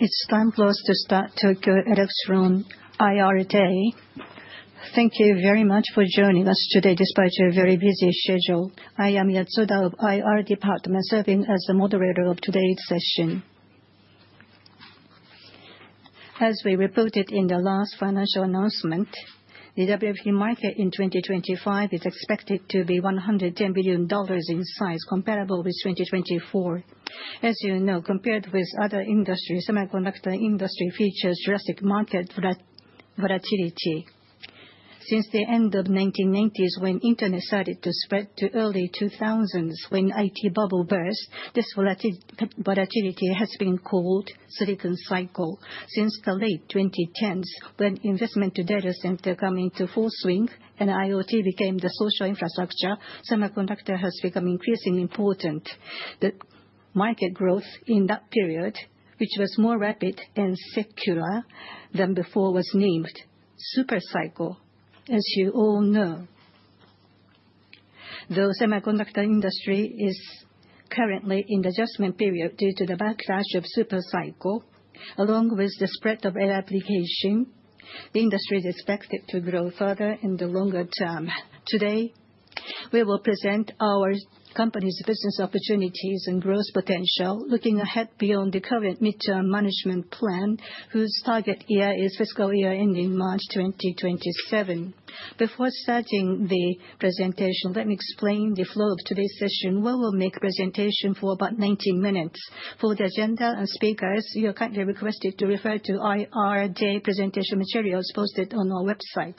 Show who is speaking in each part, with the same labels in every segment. Speaker 1: It's time for us to start Tokyo Electron IR Day. Thank you very much for joining us today despite your very busy schedule. I am Yatsuda of IR Department, serving as the moderator of today's session. As we reported in the last financial announcement, the WFE market in 2025 is expected to be $110 billion in size, comparable with 2024. As you know, compared with other industries, the semiconductor industry features drastic market volatility. Since the end of the 1990s, when the Internet started to spread to the early 2000s, when the IT bubble burst, this volatility has been called the Silicon Cycle. Since the late 2010s, when investment in data centers came into full swing and IoT became the social infrastructure, semiconductors have become increasingly important. The market growth in that period, which was more rapid and secular than before, was named Super Cycle. As you all know, the semiconductor industry is currently in the adjustment period due to the backlash of Super Cycle, along with the spread of AI application. The industry is expected to grow further in the longer term. Today, we will present our company's business opportunities and growth potential, looking ahead beyond the current midterm management plan, whose target year is fiscal year ending March 2027. Before starting the presentation, let me explain the flow of today's session. We will make a presentation for about 90 minutes. For the agenda and speakers, you are kindly requested to refer to IR Day presentation materials posted on our website.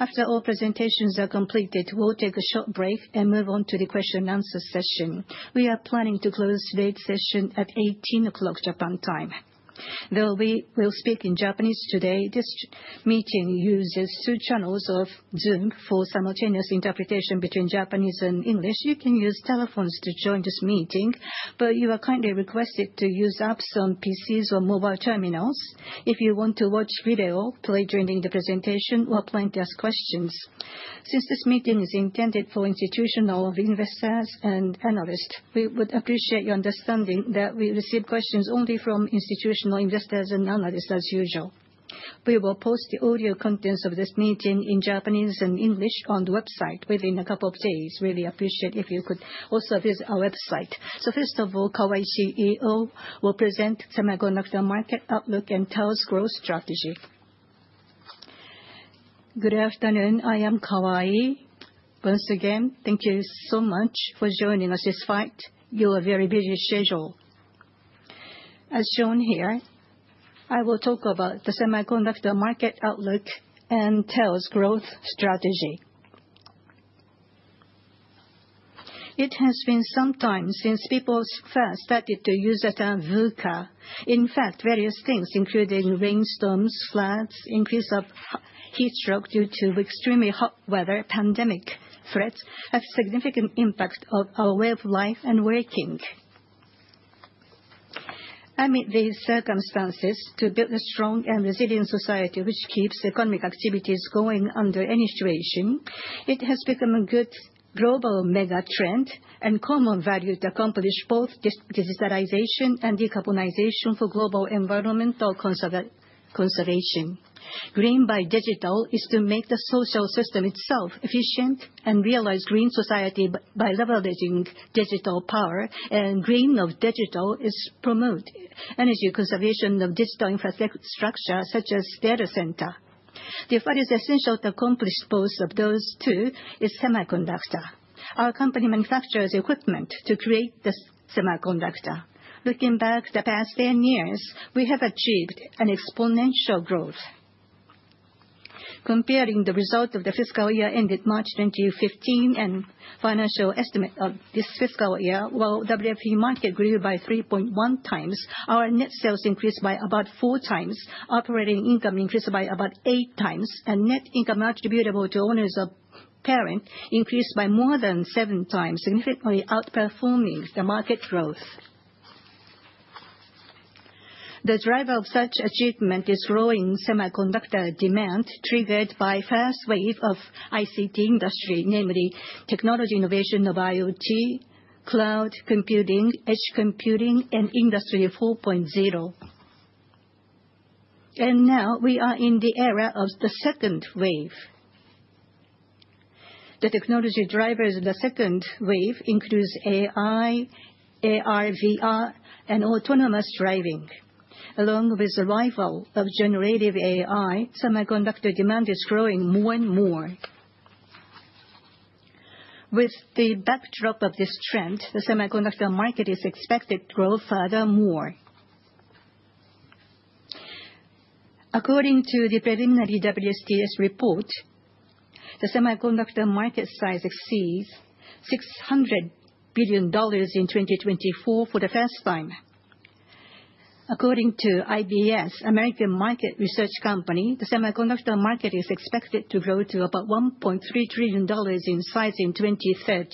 Speaker 1: After all presentations are completed, we'll take a short break and move on to the question-and-answer session. We are planning to close today's session at 6:00 P.M. Japan time. Though we will speak in Japanese today, this meeting uses two channels of Zoom for simultaneous interpretation between Japanese and English. You can use telephones to join this meeting, but you are kindly requested to use apps on PCs or mobile terminals if you want to watch video, play during the presentation, or plan to ask questions. Since this meeting is intended for institutional investors and analysts, we would appreciate your understanding that we receive questions only from institutional investors and analysts, as usual. We will post the audio contents of this meeting in Japanese and English on the website within a couple of days. We'd really appreciate it if you could also visit our website. So, first of all, Kawai, CEO, will present semiconductor market outlook and TEL's growth strategy.
Speaker 2: Good afternoon. I am Kawai. Once again, thank you so much for joining us despite your very busy schedule. As shown here, I will talk about the semiconductor market outlook and TEL's growth strategy. It has been some time since people first started to use the term VUCA. In fact, various things, including rainstorms, floods, the increase of heat strokes due to extremely hot weather, and pandemic threats, have a significant impact on our way of life and working. Amid these circumstances, to build a strong and resilient society which keeps economic activities going under any situation, it has become a good global mega trend and common value to accomplish both digitalization and decarbonization for global environmental conservation. Green by digital is to make the social system itself efficient and realize green society by leveraging digital power, and green of digital is to promote energy conservation of digital infrastructure such as data centers. The effort is essential to accomplish both of those two is semiconductor. Our company manufactures equipment to create semiconductors. Looking back the past 10 years, we have achieved an exponential growth. Comparing the result of the fiscal year ended March 2015 and the financial estimate of this fiscal year, while the WFE market grew by 3.1 times, our net sales increased by about four times, operating income increased by about eight times, and net income attributable to owners of the parent increased by more than seven times, significantly outperforming the market growth. The driver of such achievement is growing semiconductor demand triggered by the first wave of the ICT industry, namely technology innovation of IoT, cloud computing, edge computing, and Industry 4.0, and now we are in the era of the second wave. The technology drivers of the second wave include AI, AR, VR, and autonomous driving. Along with the arrival of generative AI, semiconductor demand is growing more and more. With the backdrop of this trend, the semiconductor market is expected to grow furthermore. According to the preliminary WSTS report, the semiconductor market size exceeds $600 billion in 2024 for the first time. According to IBS, American market research company, the semiconductor market is expected to grow to about $1.3 trillion in size in 2030.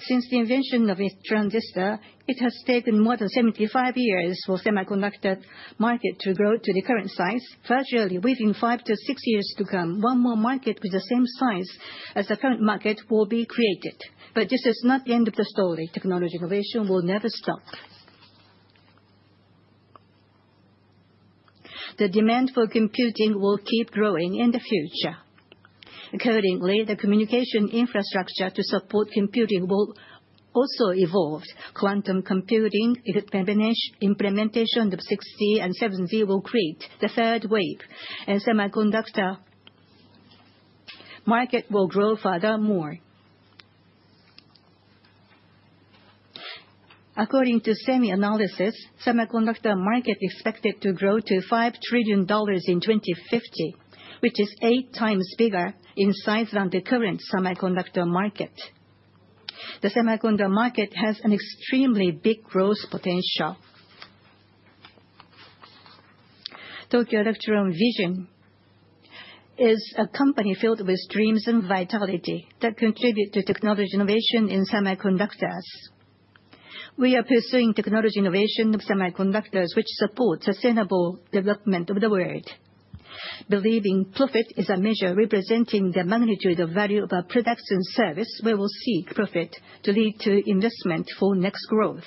Speaker 2: Since the invention of a transistor, it has taken more than 75 years for the semiconductor market to grow to the current size. Virtually within five to six years to come, one more market with the same size as the current market will be created. But this is not the end of the story. Technology innovation will never stop. The demand for computing will keep growing in the future. Accordingly, the communication infrastructure to support computing will also evolve. Quantum computing implementation of 6G and 7G will create the third wave, and the semiconductor market will grow furthermore. According to SemiAnalysis, the semiconductor market is expected to grow to $5 trillion in 2050, which is eight times bigger in size than the current semiconductor market. The semiconductor market has an extremely big growth potential. Tokyo Electron Vision is a company filled with dreams and vitality that contribute to technology innovation in semiconductors. We are pursuing technology innovation of semiconductors which supports sustainable development of the world. Believing profit is a measure representing the magnitude of value of a production service, we will seek profit to lead to investment for next growth,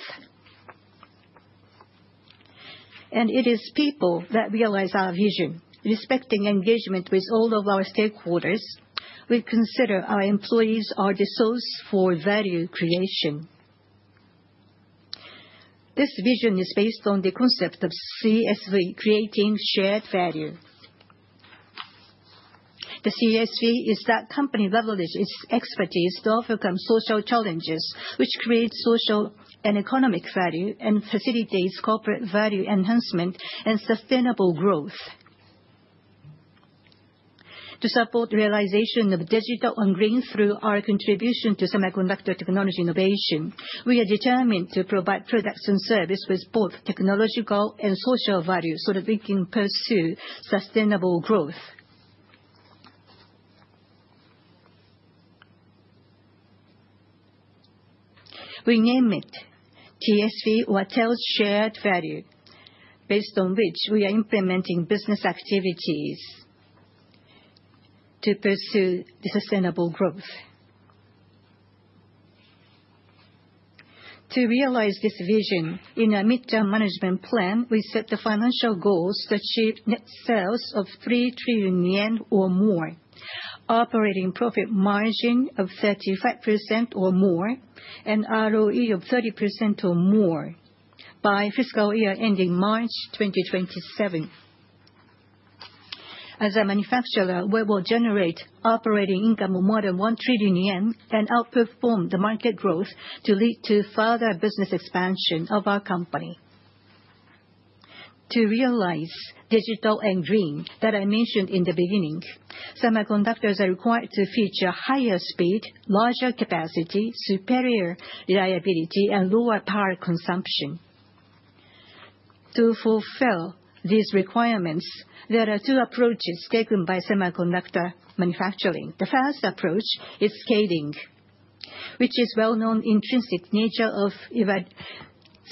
Speaker 2: and it is people that realize our vision. Respecting engagement with all of our stakeholders, we consider our employees are the source for value creation. This vision is based on the concept of CSV, creating shared value. The CSV is that the company leverages its expertise to overcome social challenges, which creates social and economic value and facilitates corporate value enhancement and sustainable growth. To support the realization of digital and green through our contribution to semiconductor technology innovation, we are determined to provide production service with both technological and social value so that we can pursue sustainable growth. We name it TSV or TEL Shared Value, based on which we are implementing business activities to pursue sustainable growth. To realize this vision, in our midterm management plan, we set the financial goals to achieve net sales of 3 trillion yen or more, operating profit margin of 35% or more, and ROE of 30% or more by fiscal year ending March 2027. As a manufacturer, we will generate operating income of more than 1 trillion yen and outperform the market growth to lead to further business expansion of our company. To realize digital and green that I mentioned in the beginning, semiconductors are required to feature higher speed, larger capacity, superior reliability, and lower power consumption. To fulfill these requirements, there are two approaches taken by semiconductor manufacturing. The first approach is scaling, which is well-known intrinsic nature of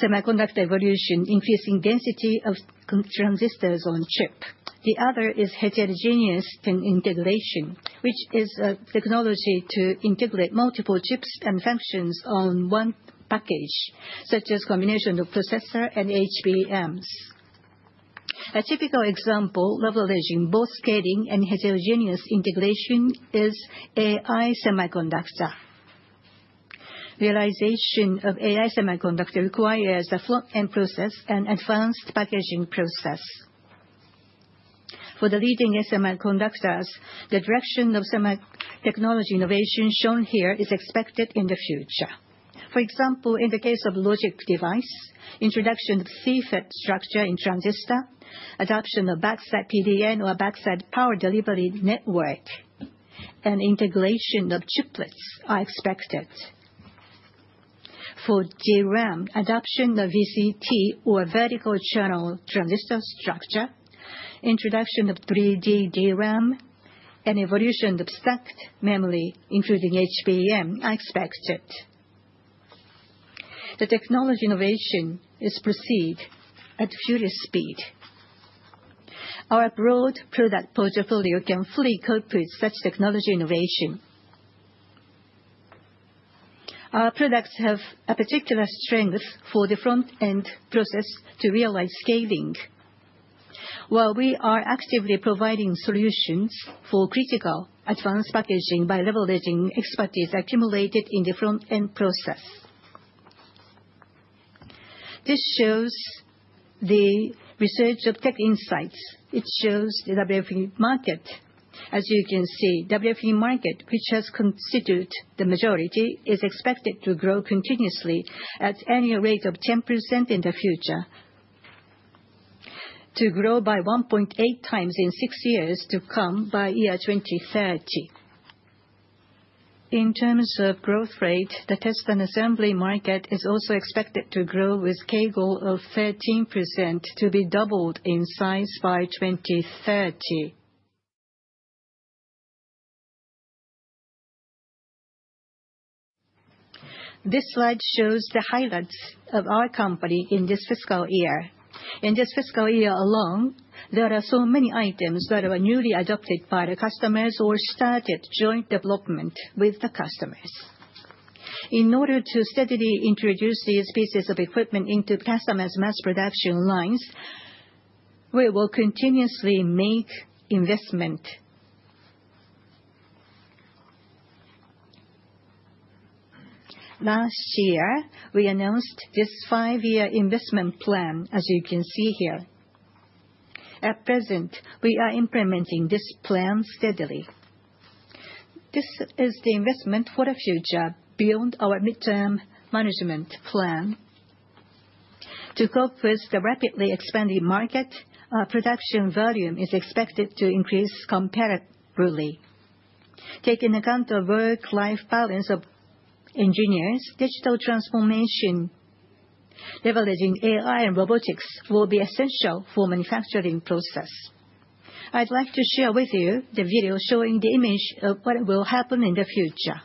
Speaker 2: semiconductor evolution, increasing density of transistors on chip. The other is heterogeneous integration, which is a technology to integrate multiple chips and functions on one package, such as a combination of processors and HBMs. A typical example leveraging both scaling and heterogeneous integration is AI semiconductor. Realization of AI semiconductor requires a front-end process and advanced packaging process. For the leading semiconductors, the direction of technology innovation shown here is expected in the future. For example, in the case of logic device, introduction of CFET structure in transistor, adoption of backside PDN or backside power delivery network, and integration of chiplets are expected. For DRAM, adoption of VCT or vertical channel transistor structure, introduction of 3D DRAM, and evolution of stacked memory, including HBM, are expected. The technology innovation is perceived at furious speed. Our broad product portfolio can fully cope with such technology innovation. Our products have a particular strength for the front-end process to realize scaling, while we are actively providing solutions for critical advanced packaging by leveraging expertise accumulated in the front-end process. This shows the research of TechInsights. It shows the WFE market. As you can see, the WFE market, which has constituted the majority, is expected to grow continuously at an annual rate of 10% in the future, to grow by 1.8 times in six years to come by the year 2030. In terms of growth rate, the test and assembly market is also expected to grow with a CAGR of 13% to be doubled in size by 2030. This slide shows the highlights of our company in this fiscal year. In this fiscal year alone, there are so many items that were newly adopted by the customers or started joint development with the customers. In order to steadily introduce these pieces of equipment into the customers' mass production lines, we will continuously make investment. Last year, we announced this five-year investment plan, as you can see here. At present, we are implementing this plan steadily. This is the investment for the future beyond our midterm management plan. To cope with the rapidly expanding market, our production volume is expected to increase comparatively. Taking account of the work-life balance of engineers, digital transformation, leveraging AI and robotics will be essential for the manufacturing process. I'd like to share with you the video showing the image of what will happen in the future.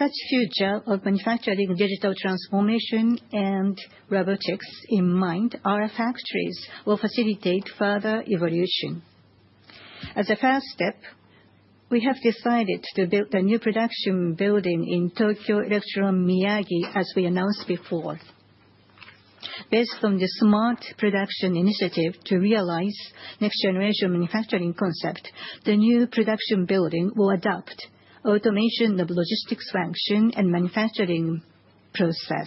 Speaker 2: With such a future of manufacturing digital transformation and robotics in mind, our factories will facilitate further evolution. As a first step, we have decided to build a new production building in Tokyo Electron Miyagi, as we announced before. Based on the smart production initiative to realize next-generation manufacturing concept, the new production building will adopt automation of logistics function and manufacturing process.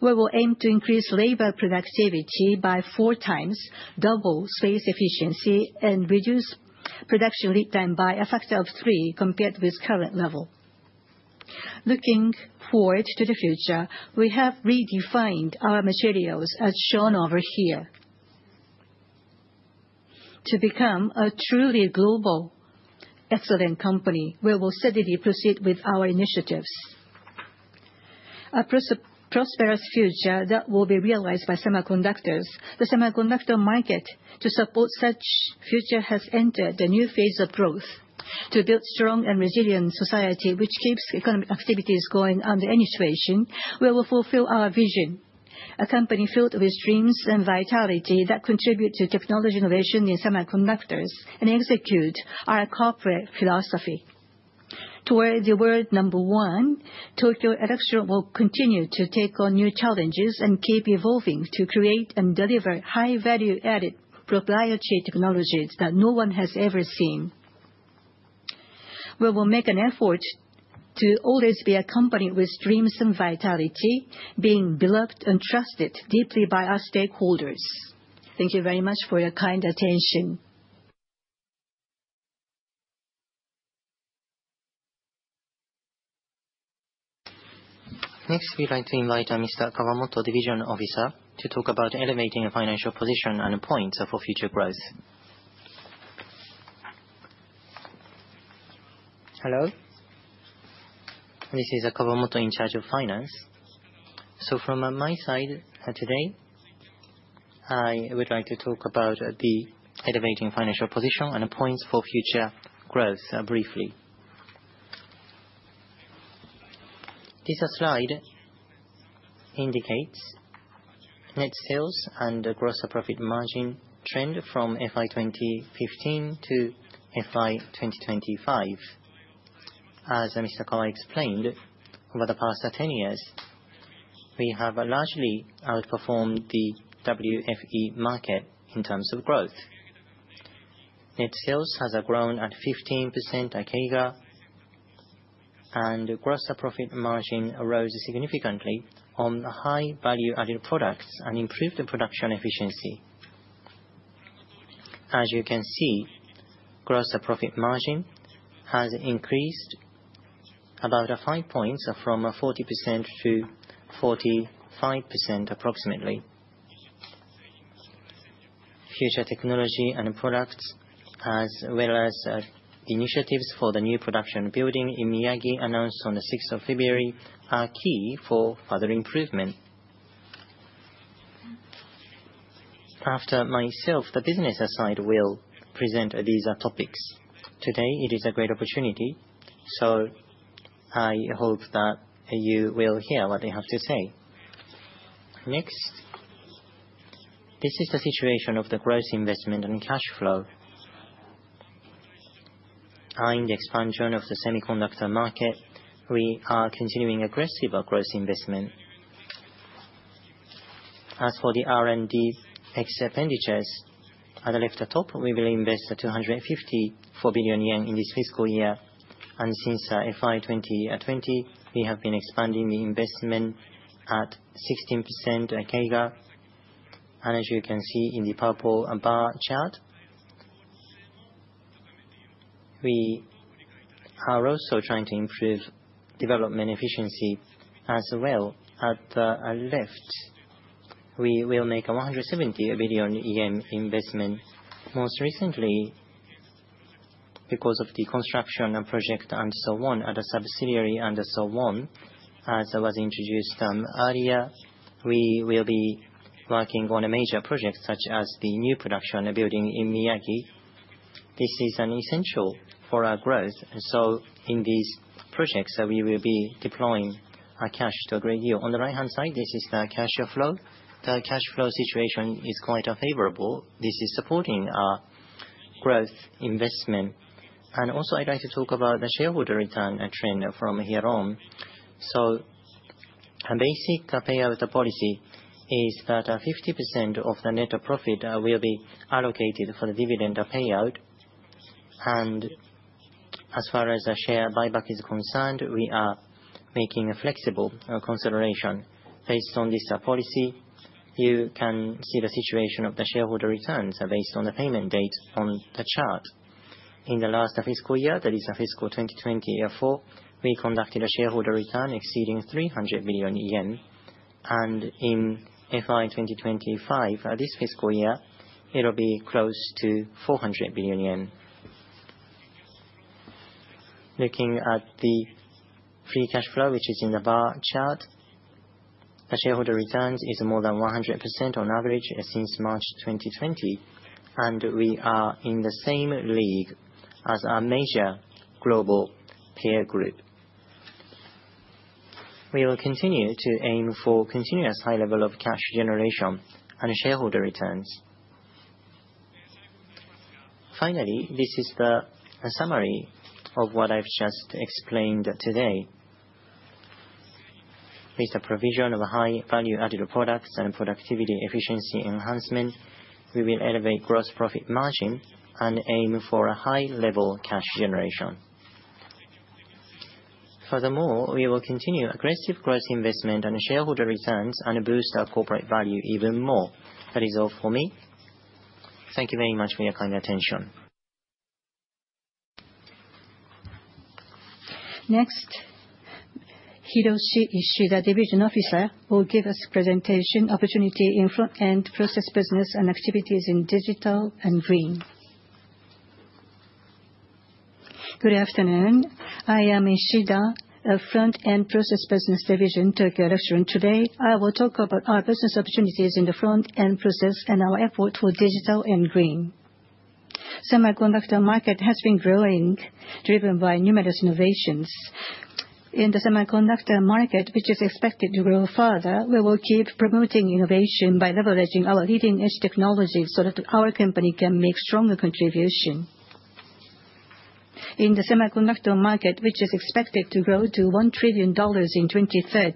Speaker 2: We will aim to increase labor productivity by four times, double space efficiency, and reduce production lead time by a factor of three compared with the current level. Looking forward to the future, we have redefined our materials as shown over here. To become a truly global excellent company, we will steadily proceed with our initiatives. A prosperous future that will be realized by semiconductors. The semiconductor market, to support such a future, has entered a new phase of growth. To build a strong and resilient society which keeps economic activities going under any situation, we will fulfill our vision, a company filled with dreams and vitality that contribute to technology innovation in semiconductors and execute our corporate philosophy. Toward the world number one, Tokyo Electron will continue to take on new challenges and keep evolving to create and deliver high-value-added proprietary technologies that no one has ever seen. We will make an effort to always be a company with dreams and vitality, being beloved and trusted deeply by our stakeholders.
Speaker 1: Thank you very much for your kind attention.
Speaker 3: Next, we'd like to invite Mr. Kawamoto, Division Officer, to talk about elevating the financial position and points for future growth.
Speaker 4: Hello. This is Kawamoto in charge of finance. So from my side today, I would like to talk about the elevating financial position and points for future growth briefly. This slide indicates net sales and gross profit margin trend from FY 2015 to FY 2025. As Mr. Kawai explained, over the past 10 years, we have largely outperformed the WFE market in terms of growth. Net sales has grown at 15% CAGR, and gross profit margin arose significantly on high-value-added products and improved production efficiency. As you can see, gross profit margin has increased about five points from 40% to 45% approximately. Future technology and products, as well as the initiatives for the new production building in Miyagi announced on the 6th of February, are key for further improvement. After myself, the business side will present these topics. Today, it is a great opportunity, so I hope that you will hear what I have to say. Next, this is the situation of the capital investment and cash flow. Our industry, known as the semiconductor market, we are continuing aggressive capital investment. As for the R&D expenditures, at the left top, we will invest 254 billion yen in this fiscal year. And since FY 2020, we have been expanding the investment at 16% CAGR. And as you can see in the purple bar chart, we are also trying to improve development efficiency as well. At the left, we will make a 170 billion yen investment. Most recently, because of the construction project and so on at a subsidiary and so on, as I was introduced earlier, we will be working on a major project such as the new production building in Miyagi. This is essential for our growth, and so in these projects, we will be deploying our cash to a great deal. On the right-hand side, this is the cash flow. The cash flow situation is quite favorable. This is supporting our growth investment, and also, I'd like to talk about the shareholder return trend from here on, so a basic payout policy is that 50% of the net profit will be allocated for the dividend payout. And as far as share buyback is concerned, we are making a flexible consideration. Based on this policy, you can see the situation of the shareholder returns based on the payment date on the chart. In the last fiscal year, that is fiscal 2024, we conducted a shareholder return exceeding 300 billion yen. And in FY 2025, this fiscal year, it will be close to 400 billion yen. Looking at the free cash flow, which is in the bar chart, the shareholder returns is more than 100% on average since March 2020. And we are in the same league as our major global peer group. We will continue to aim for continuous high level of cash generation and shareholder returns. Finally, this is the summary of what I've just explained today. With the provision of high-value-added products and productivity efficiency enhancement, we will elevate gross profit margin and aim for a high-level cash generation. Furthermore, we will continue aggressive gross investment and shareholder returns and boost our corporate value even more. That is all for me. Thank you very much for your kind attention.
Speaker 1: Next, Hiroshi Ishida, Division Officer, will give us a presentation on opportunity in front-end process business and activities in digital and green.
Speaker 5: Good afternoon. I am Ishida, Front-End Process Business Division, Tokyo Electron. Today, I will talk about our business opportunities in the front-end process and our effort for digital and green. The semiconductor market has been growing, driven by numerous innovations. In the semiconductor market, which is expected to grow further, we will keep promoting innovation by leveraging our leading-edge technologies so that our company can make stronger contributions. In the semiconductor market, which is expected to grow to $1 trillion in 2030,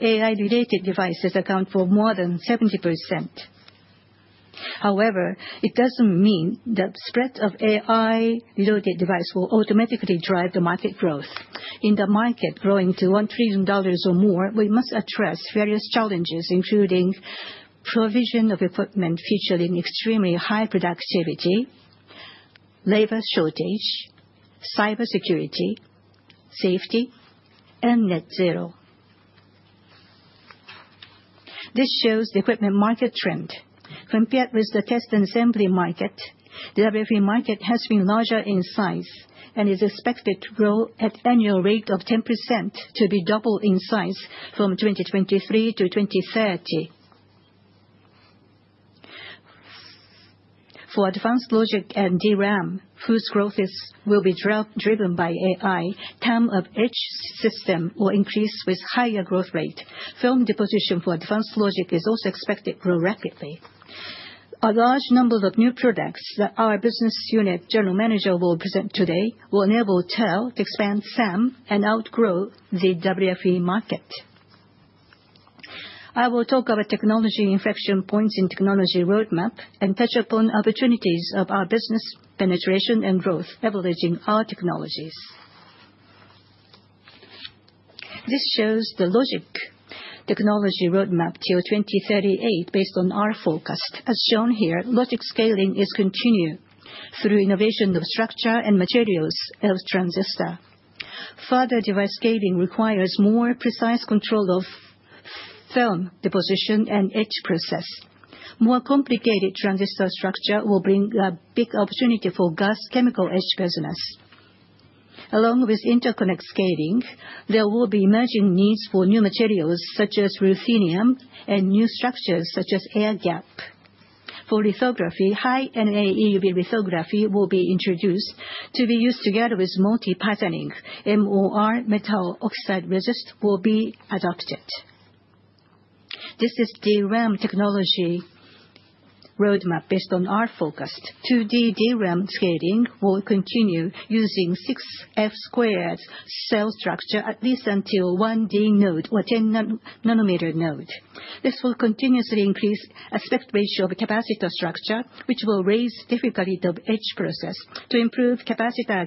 Speaker 5: AI-related devices account for more than 70%.
Speaker 6: However, it doesn't mean that the spread of AI-related devices will automatically drive the market growth. In the market growing to $1 trillion or more, we must address various challenges, including provision of equipment featuring extremely high productivity, labor shortage, cybersecurity, safety, and net zero. This shows the equipment market trend. Compared with the test and assembly market, the WFE market has been larger in size and is expected to grow at an annual rate of 10% to be double in size from 2023 to 2030. For advanced logic and DRAM, whose growth will be driven by AI, the time of each system will increase with a higher growth rate. Film deposition for advanced logic is also expected to grow rapidly. A large number of new products that our business unit general manager will present today will enable TEL to expand SAM and outgrow the WFE market. I will talk about technology inflection points in the technology roadmap and touch upon opportunities of our business penetration and growth, leveraging our technologies. This shows the logic technology roadmap till 2038 based on our focus. As shown here, logic scaling is continued through innovation of structure and materials of transistors. Further device scaling requires more precise control of film deposition and etch process. More complicated transistor structure will bring a big opportunity for gas chemical etch business. Along with interconnect scaling, there will be emerging needs for new materials such as ruthenium and new structures such as air gap. For lithography, high-NA EUV lithography will be introduced to be used together with multi-patterning. MOR metal oxide resist will be adopted. This is DRAM technology roadmap based on our focus. 2D DRAM scaling will continue using 6F squared cell structure at least until 1d node or 10 nanometer node.
Speaker 5: This will continuously increase aspect ratio of capacitor structure, which will raise the difficulty of etch process. To improve capacitor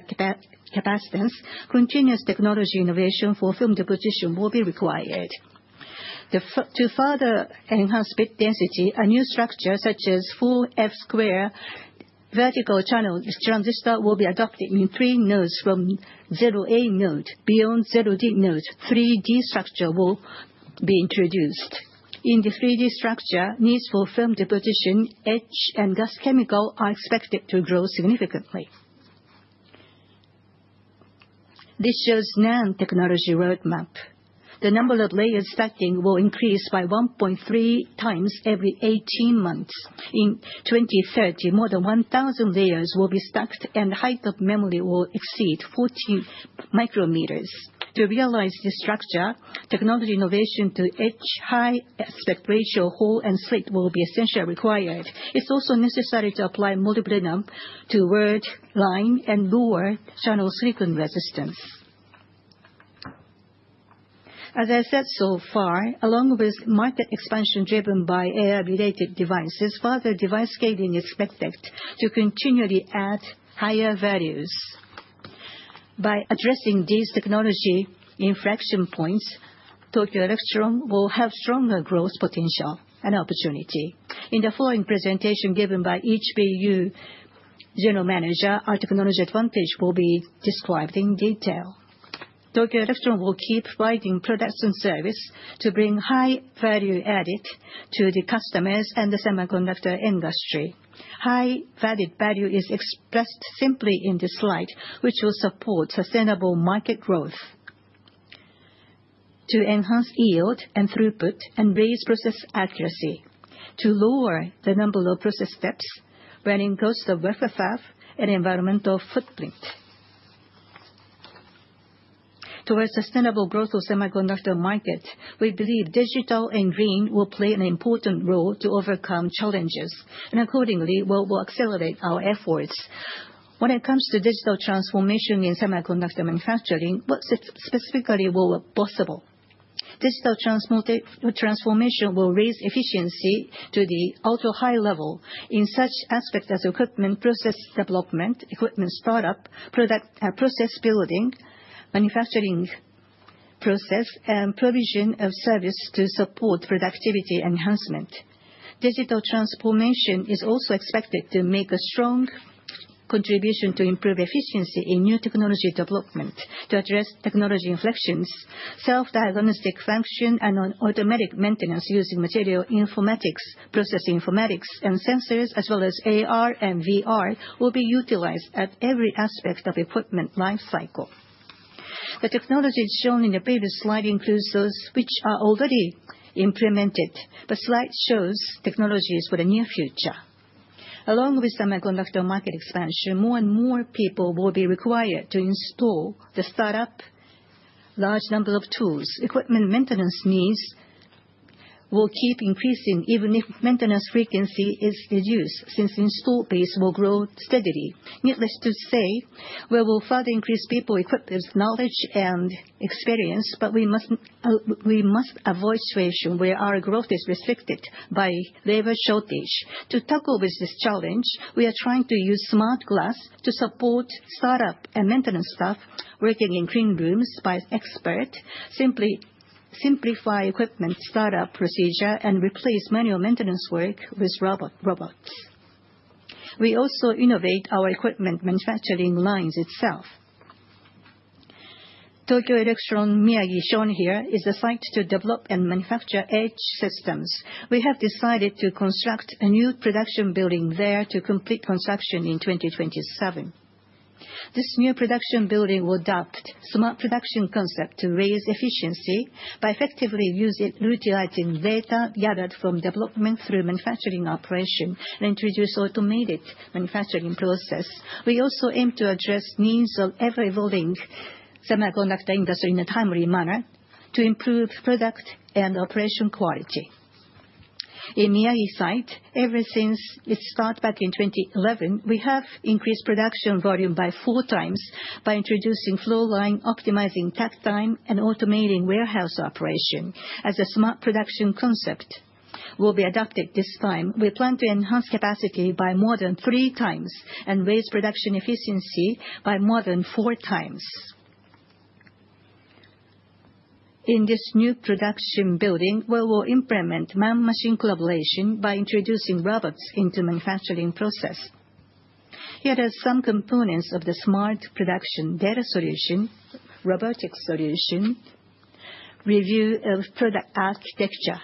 Speaker 5: capacitance, continuous technology innovation for film deposition will be required. To further enhance bit density, a new structure such as 4F squared vertical channel transistor will be adopted in three nodes from 1a node. Beyond 1d node, 3D structure will be introduced. In the 3D structure, needs for film deposition, etch, and gas chemistry are expected to grow significantly. This shows NAND technology roadmap. The number of layers stacking will increase by 1.3 times every 18 months. In 2030, more than 1,000 layers will be stacked, and the height of memory will exceed 40 micrometers. To realize this structure, technology innovation to etch high aspect ratio hole and slit will be essentially required. It's also necessary to apply molybdenum to word line and lower channel silicon resistance. As I said so far, along with market expansion driven by AI-related devices, further device scaling is expected to continually add higher values. By addressing these technology inflection points, Tokyo Electron will have stronger growth potential and opportunity. In the following presentation given by each BU general manager, our technology advantage will be described in detail. Tokyo Electron will keep providing production service to bring high value added to the customers and the semiconductor industry. High value added value is expressed simply in this slide, which will support sustainable market growth to enhance yield and throughput and raise process accuracy to lower the number of process steps, running cost of FFF, and environmental footprint. Towards sustainable growth of semiconductor market, we believe digital and green will play an important role to overcome challenges, and accordingly, we will accelerate our efforts. When it comes to digital transformation in semiconductor manufacturing, what specifically will be possible? Digital transformation will raise efficiency to the ultra-high level in such aspects as equipment process development, equipment startup, process building, manufacturing process, and provision of service to support productivity enhancement. Digital transformation is also expected to make a strong contribution to improve efficiency in new technology development, to address technology inflections. Self-diagnostic function and automatic maintenance using material informatics, process informatics, and sensors, as well as AR and VR, will be utilized at every aspect of equipment lifecycle. The technology shown in the previous slide includes those which are already implemented, but the slide shows technologies for the near future. Along with semiconductor market expansion, more and more people will be required to install the startup. A large number of tools, equipment maintenance needs will keep increasing even if maintenance frequency is reduced since the install base will grow steadily. Needless to say, we will further increase people equipped with knowledge and experience, but we must avoid situations where our growth is restricted by labor shortage. To tackle this challenge, we are trying to use smart glass to support startup and maintenance staff working in clean rooms by experts, simplify equipment startup procedure, and replace manual maintenance work with robots. We also innovate our equipment manufacturing lines itself. Tokyo Electron Miyagi shown here is a site to develop and manufacture etch systems. We have decided to construct a new production building there to complete construction in 2027. This new production building will adopt a smart production concept to raise efficiency by effectively utilizing data gathered from development through manufacturing operation and introduce automated manufacturing process. We also aim to address the needs of the ever-evolving semiconductor industry in a timely manner to improve product and operation quality. In Miyagi site, ever since its start back in 2011, we have increased production volume by four times by introducing flow line, optimizing takt time, and automating warehouse operation. As a smart production concept will be adopted this time, we plan to enhance capacity by more than three times and raise production efficiency by more than four times. In this new production building, we will implement man-machine collaboration by introducing robots into the manufacturing process. Here are some components of the smart production data solution, robotic solution, review of product architecture.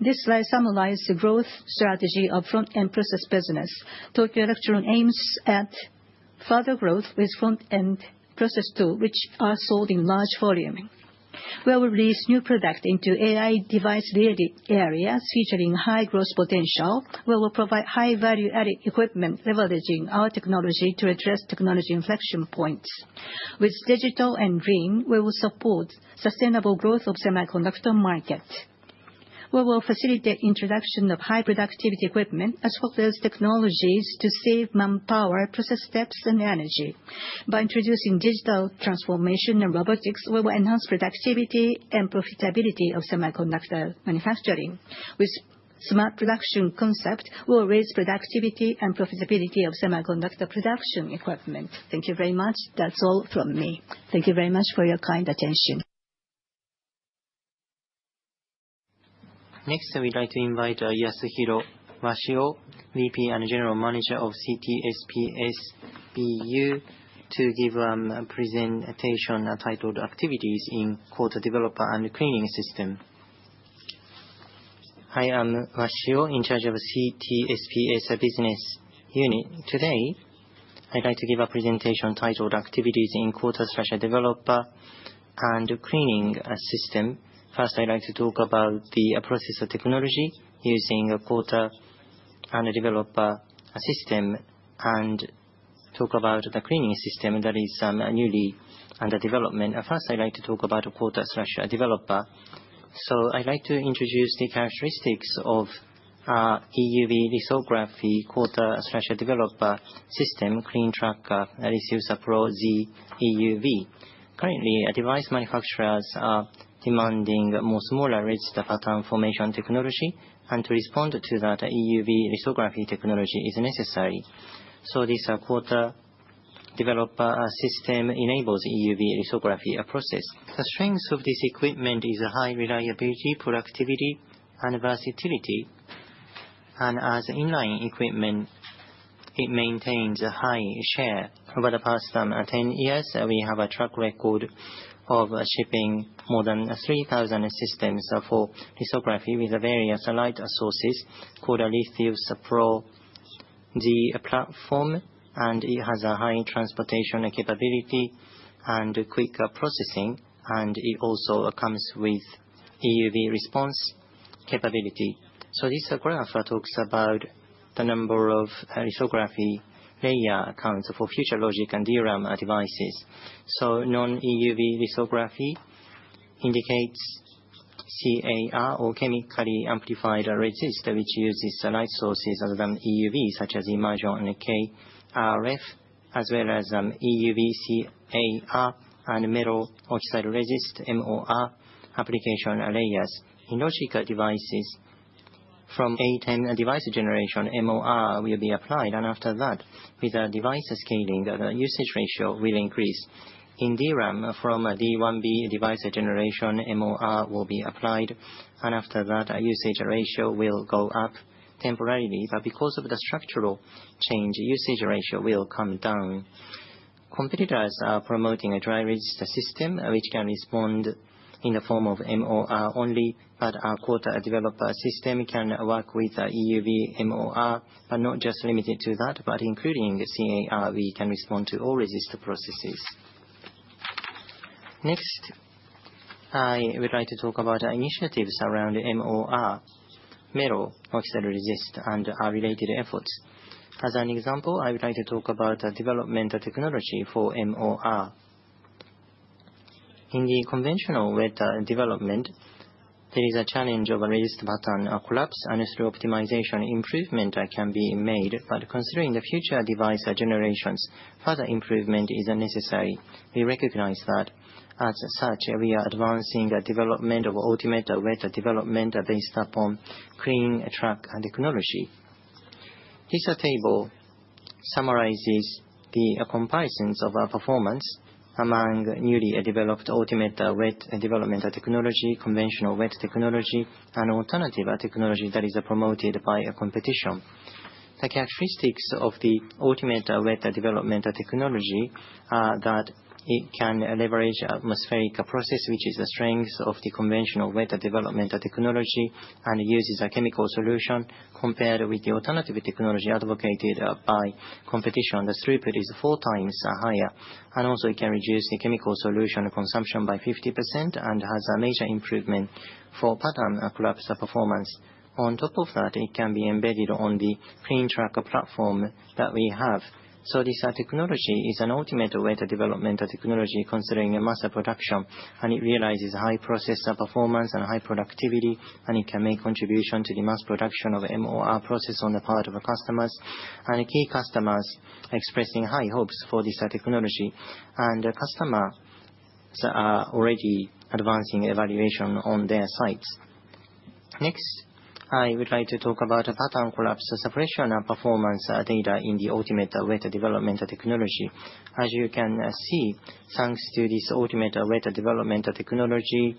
Speaker 5: This slide summarizes the growth strategy of front-end process business. Tokyo Electron aims at further growth with front-end process tools, which are sold in large volume. We will release new products into AI device-related areas featuring high growth potential. We will provide high-value-added equipment, leveraging our technology to address technology inflection points. With digital and green, we will support sustainable growth of the semiconductor market. We will facilitate the introduction of high-productivity equipment as well as technologies to save manpower, process steps, and energy. By introducing digital transformation and robotics, we will enhance productivity and profitability of semiconductor manufacturing. With smart production concept, we will raise productivity and profitability of semiconductor production equipment. Thank you very much. That's all from me.
Speaker 1: Thank you very much for your kind attention.
Speaker 3: Next, I would like to invite Yasuhiro Washio, VP and General Manager of CTSPS BU, to give a presentation titled "Activities in Coater/Developer and Cleaning System."
Speaker 7: I am Washio, in charge of CTSPS Business Unit. Today, I'd like to give a presentation titled "Activities in Coater/Developer and Cleaning System." First, I'd like to talk about the process of technology using a coater and a developer system and talk about the cleaning system that is newly under development. First, I'd like to talk about a coater/developer, so I'd like to introduce the characteristics of our EUV lithography coater/developer system, CLEAN TRACK that is used for EUV. Currently, device manufacturers are demanding more smaller nodes to pattern formation technology, and to respond to that, EUV lithography technology is necessary. So this coater/developer system enables EUV lithography process. The strength of this equipment is high reliability, productivity, and versatility, and as inline equipment, it maintains a high share. Over the past 10 years, we have a track record of shipping more than 3,000 systems for lithography with various light sources called LITHIUS Pro Z platform, and it has a high throughput capability and quick processing, and it also comes with EUV response capability. This graph talks about the number of lithography layer accounts for future logic and DRAM devices. Non-EUV lithography indicates CAR or chemically amplified resist, which uses light sources other than EUV, such as i-line and KrF, as well as EUV CAR and metal oxide resist, MOR application layers. In logical devices, from A10 device generation, MOR will be applied, and after that, with device scaling, the usage ratio will increase. In DRAM, from D1B device generation, MOR will be applied, and after that, usage ratio will go up temporarily, but because of the structural change, usage ratio will come down. Competitors are promoting a dry resist system, which can respond in the form of MOR only, but our coater/developer system can work with EUV MOR, but not just limited to that, but including CAR, we can respond to all resist processes. Next, I would like to talk about initiatives around MOR, metal oxide resist, and related efforts. As an example, I would like to talk about development technology for MOR. In the conventional wet development, there is a challenge of resist pattern collapse, and through optimization, improvement can be made, but considering the future device generations, further improvement is necessary. We recognize that as such, we are advancing development of ultimate wet development based upon CLEAN TRACK technology. This table summarizes the comparisons of performance among newly developed ultimate wet development technology, conventional wet technology, and alternative technology that is promoted by competition. The characteristics of the ultimate wet development technology are that it can leverage atmospheric process, which is the strength of the conventional wet development technology and uses a chemical solution compared with the alternative technology advocated by competition. The throughput is four times higher, and also it can reduce the chemical solution consumption by 50% and has a major improvement for pattern collapse performance. On top of that, it can be embedded on the CLEAN TRACK platform that we have. So this technology is an ultimate way to develop technology considering mass production, and it realizes high process performance and high productivity, and it can make contribution to the mass production of MOR process on the part of customers and key customers expressing high hopes for this technology. And customers are already advancing evaluation on their sites. Next, I would like to talk about pattern collapse separation performance data in the ultimate wet development technology. As you can see, thanks to this ultimate wet development technology,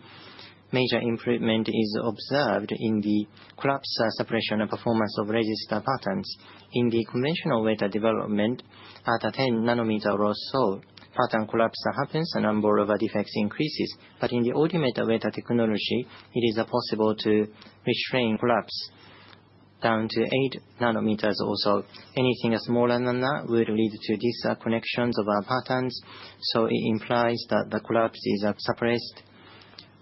Speaker 7: major improvement is observed in the collapse separation performance of resist patterns. In the conventional wet development, at 10 nanometers or so, pattern collapse happens, and a number of defects increases, but in the ultimate wet technology, it is possible to restrain collapse down to 8 nanometers or so. Anything smaller than that will lead to disconnections of patterns, so it implies that the collapse is suppressed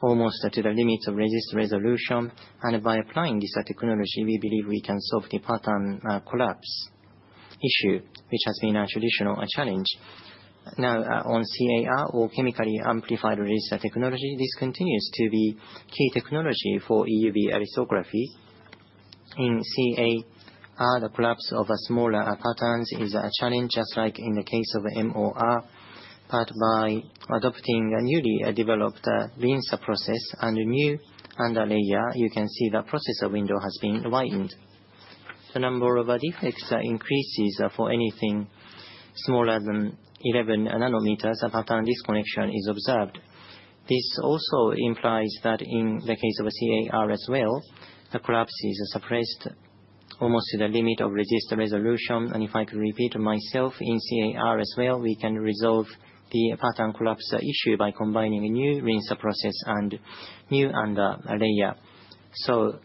Speaker 7: almost to the limits of resist resolution, and by applying this technology, we believe we can solve the pattern collapse issue, which has been a traditional challenge. Now, on CAR or chemically amplified resist technology, this continues to be key technology for EUV lithography. In CAR, the collapse of smaller patterns is a challenge, just like in the case of MOR, but by adopting a newly developed rinse process and new under layer, you can see the process window has been widened. The number of defects increases for anything smaller than 11 nanometers. A pattern disconnection is observed. This also implies that in the case of CAR as well, the collapse is suppressed almost to the limit of resist resolution, and if I could repeat myself, in CAR as well, we can resolve the pattern collapse issue by combining a new rinse process and new under layer. So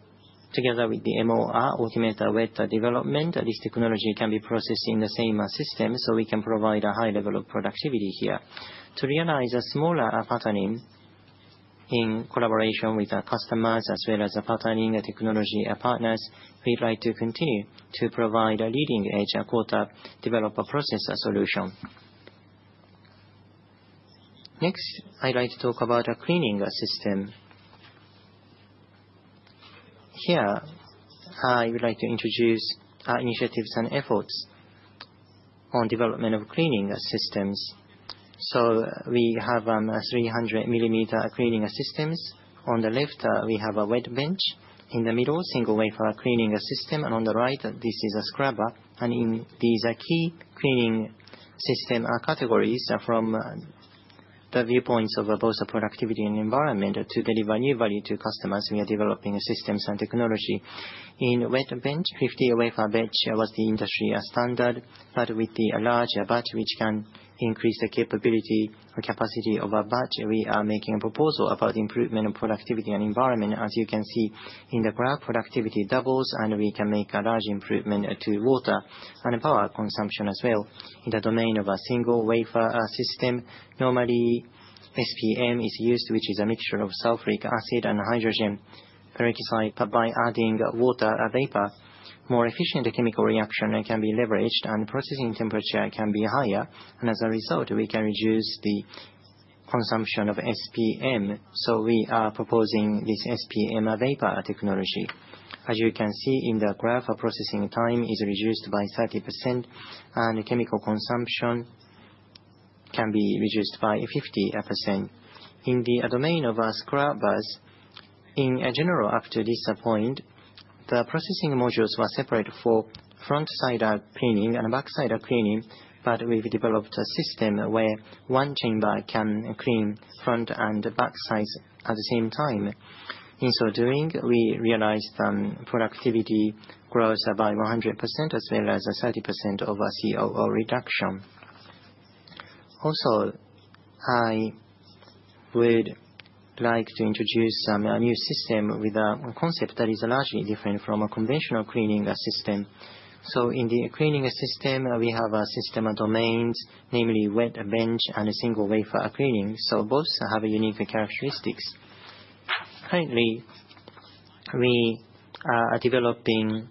Speaker 7: together with the MOR ultimate wet development, this technology can be processed in the same system, so we can provide a high level of productivity here. To realize a smaller patterning in collaboration with customers as well as patterning technology partners, we'd like to continue to provide a leading-edge coater/developer process solution. Next, I'd like to talk about a cleaning system. Here, I would like to introduce initiatives and efforts on development of cleaning systems, so we have 300-millimeter cleaning systems. On the left, we have a wet bench, in the middle, a single-wafer cleaning system, and on the right, this is a scrubber, and in these key cleaning system categories, from the viewpoints of both productivity and environment, to deliver new value to customers, we are developing systems and technology. In wet bench, 50-wafer bench was the industry standard, but with the large batch, which can increase the capability or capacity of a batch, we are making a proposal about improvement of productivity and environment. As you can see in the graph, productivity doubles, and we can make a large improvement to water and power consumption as well. In the domain of a single-wafer system, normally SPM is used, which is a mixture of sulfuric acid and hydrogen peroxide, but by adding water vapor, more efficient chemical reaction can be leveraged, and processing temperature can be higher, and as a result, we can reduce the consumption of SPM. So we are proposing this SPM vapor technology. As you can see in the graph, processing time is reduced by 30%, and chemical consumption can be reduced by 50%. In the domain of scrubbers, in general, up to this point, the processing modules were separated for front-side cleaning and back-side cleaning, but we've developed a system where one chamber can clean front and back sides at the same time. In so doing, we realized productivity grows by 100% as well as 30% of COO reduction. Also, I would like to introduce a new system with a concept that is largely different from a conventional cleaning system, so in the cleaning system, we have system domains, namely wet bench and single-wafer cleaning, so both have unique characteristics. Currently, we are developing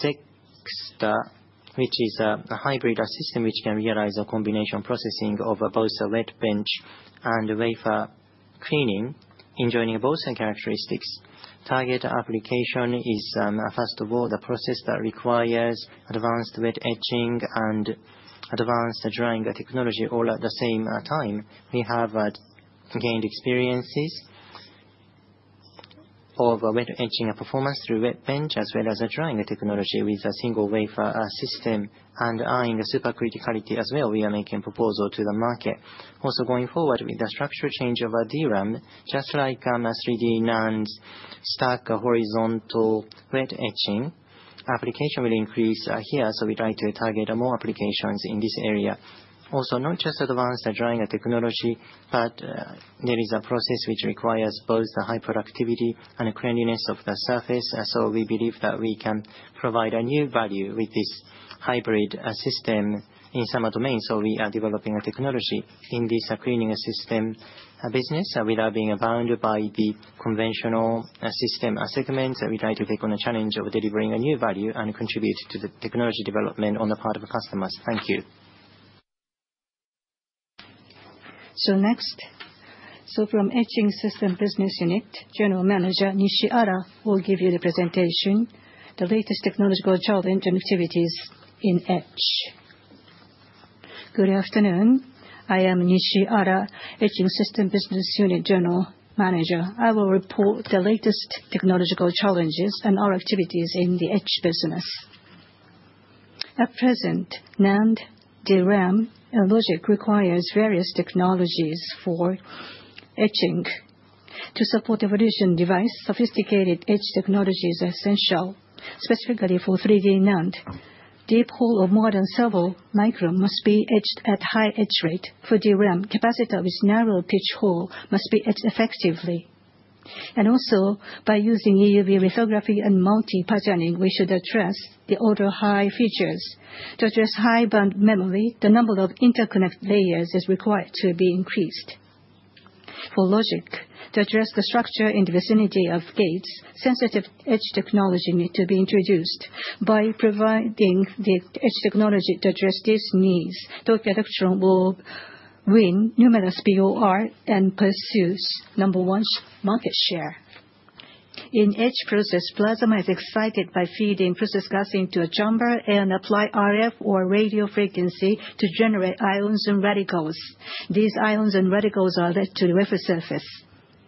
Speaker 7: Cellesta, which is a hybrid system which can realize a combination processing of both wet bench and wafer cleaning, enjoying both characteristics. Target application is, first of all, the process that requires advanced wet etching and advanced drying technology all at the same time. We have gained experiences of wet etching performance through wet bench as well as drying technology with a single-wafer system, and eyeing supercriticality as well. We are making a proposal to the market. Also, going forward with the structure change of DRAM, just like 3D NAND stack horizontal wet etching, application will increase here, so we'd like to target more applications in this area. Also, not just advanced drying technology, but there is a process which requires both high productivity and cleanliness of the surface, so we believe that we can provide a new value with this hybrid system in some domains. So we are developing a technology in this cleaning system business without being bound by the conventional system segment. We'd like to take on a challenge of delivering a new value and contribute to the technology development on the part of customers. Thank you.
Speaker 1: So next, from Etching System Business Unit, General Manager Nishihara will give you the presentation, "The Latest Technological Challenges and Activities in Etch."
Speaker 8: Good afternoon.I am Nishihara, Etching System Business Unit General Manager. I will report the latest technological challenges and our activities in the Etch business. At present, NAND, DRAM, and logic require various technologies for etching. To support evolving devices, sophisticated etch technology is essential, specifically for 3D NAND. Deep hole or macro/micro must be etched at high etch rate. For DRAM, capacitor with narrow pitch hole must be etched effectively. Also, by using EUV lithography and multi-patterning, we should address higher-order features. To address high-bandwidth memory, the number of interconnect layers is required to be increased. For logic, to address the structure in the vicinity of gates, sensitive etch technology needs to be introduced. By providing the etch technology to address these needs, Tokyo Electron will win numerous POR and pursue number one market share. In etch process, plasma is excited by feeding process gas into a chamber and applies RF or radio frequency to generate ions and radicals. These ions and radicals are led to the wafer surface.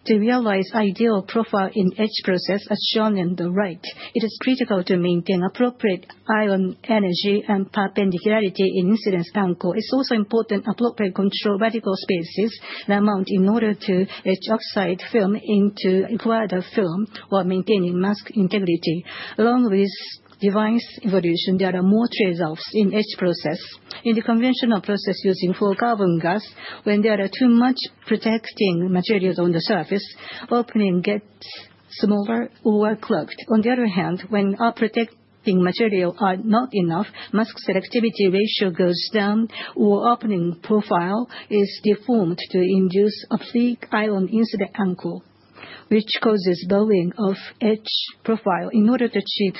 Speaker 8: To realize ideal profile in etch process, as shown on the right, it is critical to maintain appropriate ion energy and perpendicularity in incidence angle. It's also important to appropriately control radical species and amount in order to etch oxide film to underlying film while maintaining mask integrity. Along with device evolution, there are more trade-offs in etch process. In the conventional process using fluorocarbon gas, when there are too much protecting materials on the surface, opening gets smaller or clogged. On the other hand, when protecting materials are not enough, mask selectivity ratio goes down or opening profile is deformed to induce oblique ion incident angle, which causes bowing of etch profile. In order to achieve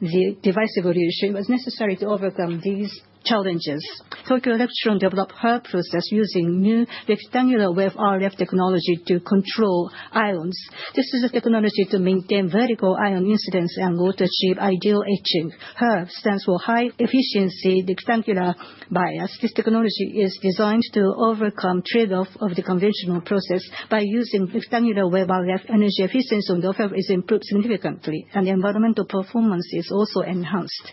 Speaker 8: the device evolution, it was necessary to overcome these challenges. Tokyo Electron developed HAR process using new rectangular wave RF technology to control ions. This is a technology to maintain vertical ion incidence angle to achieve ideal etching. HAR stands for high efficiency rectangular bias. This technology is designed to overcome trade-offs of the conventional process. By using rectangular wave RF, energy efficiency on the wafer is improved significantly, and the environmental performance is also enhanced.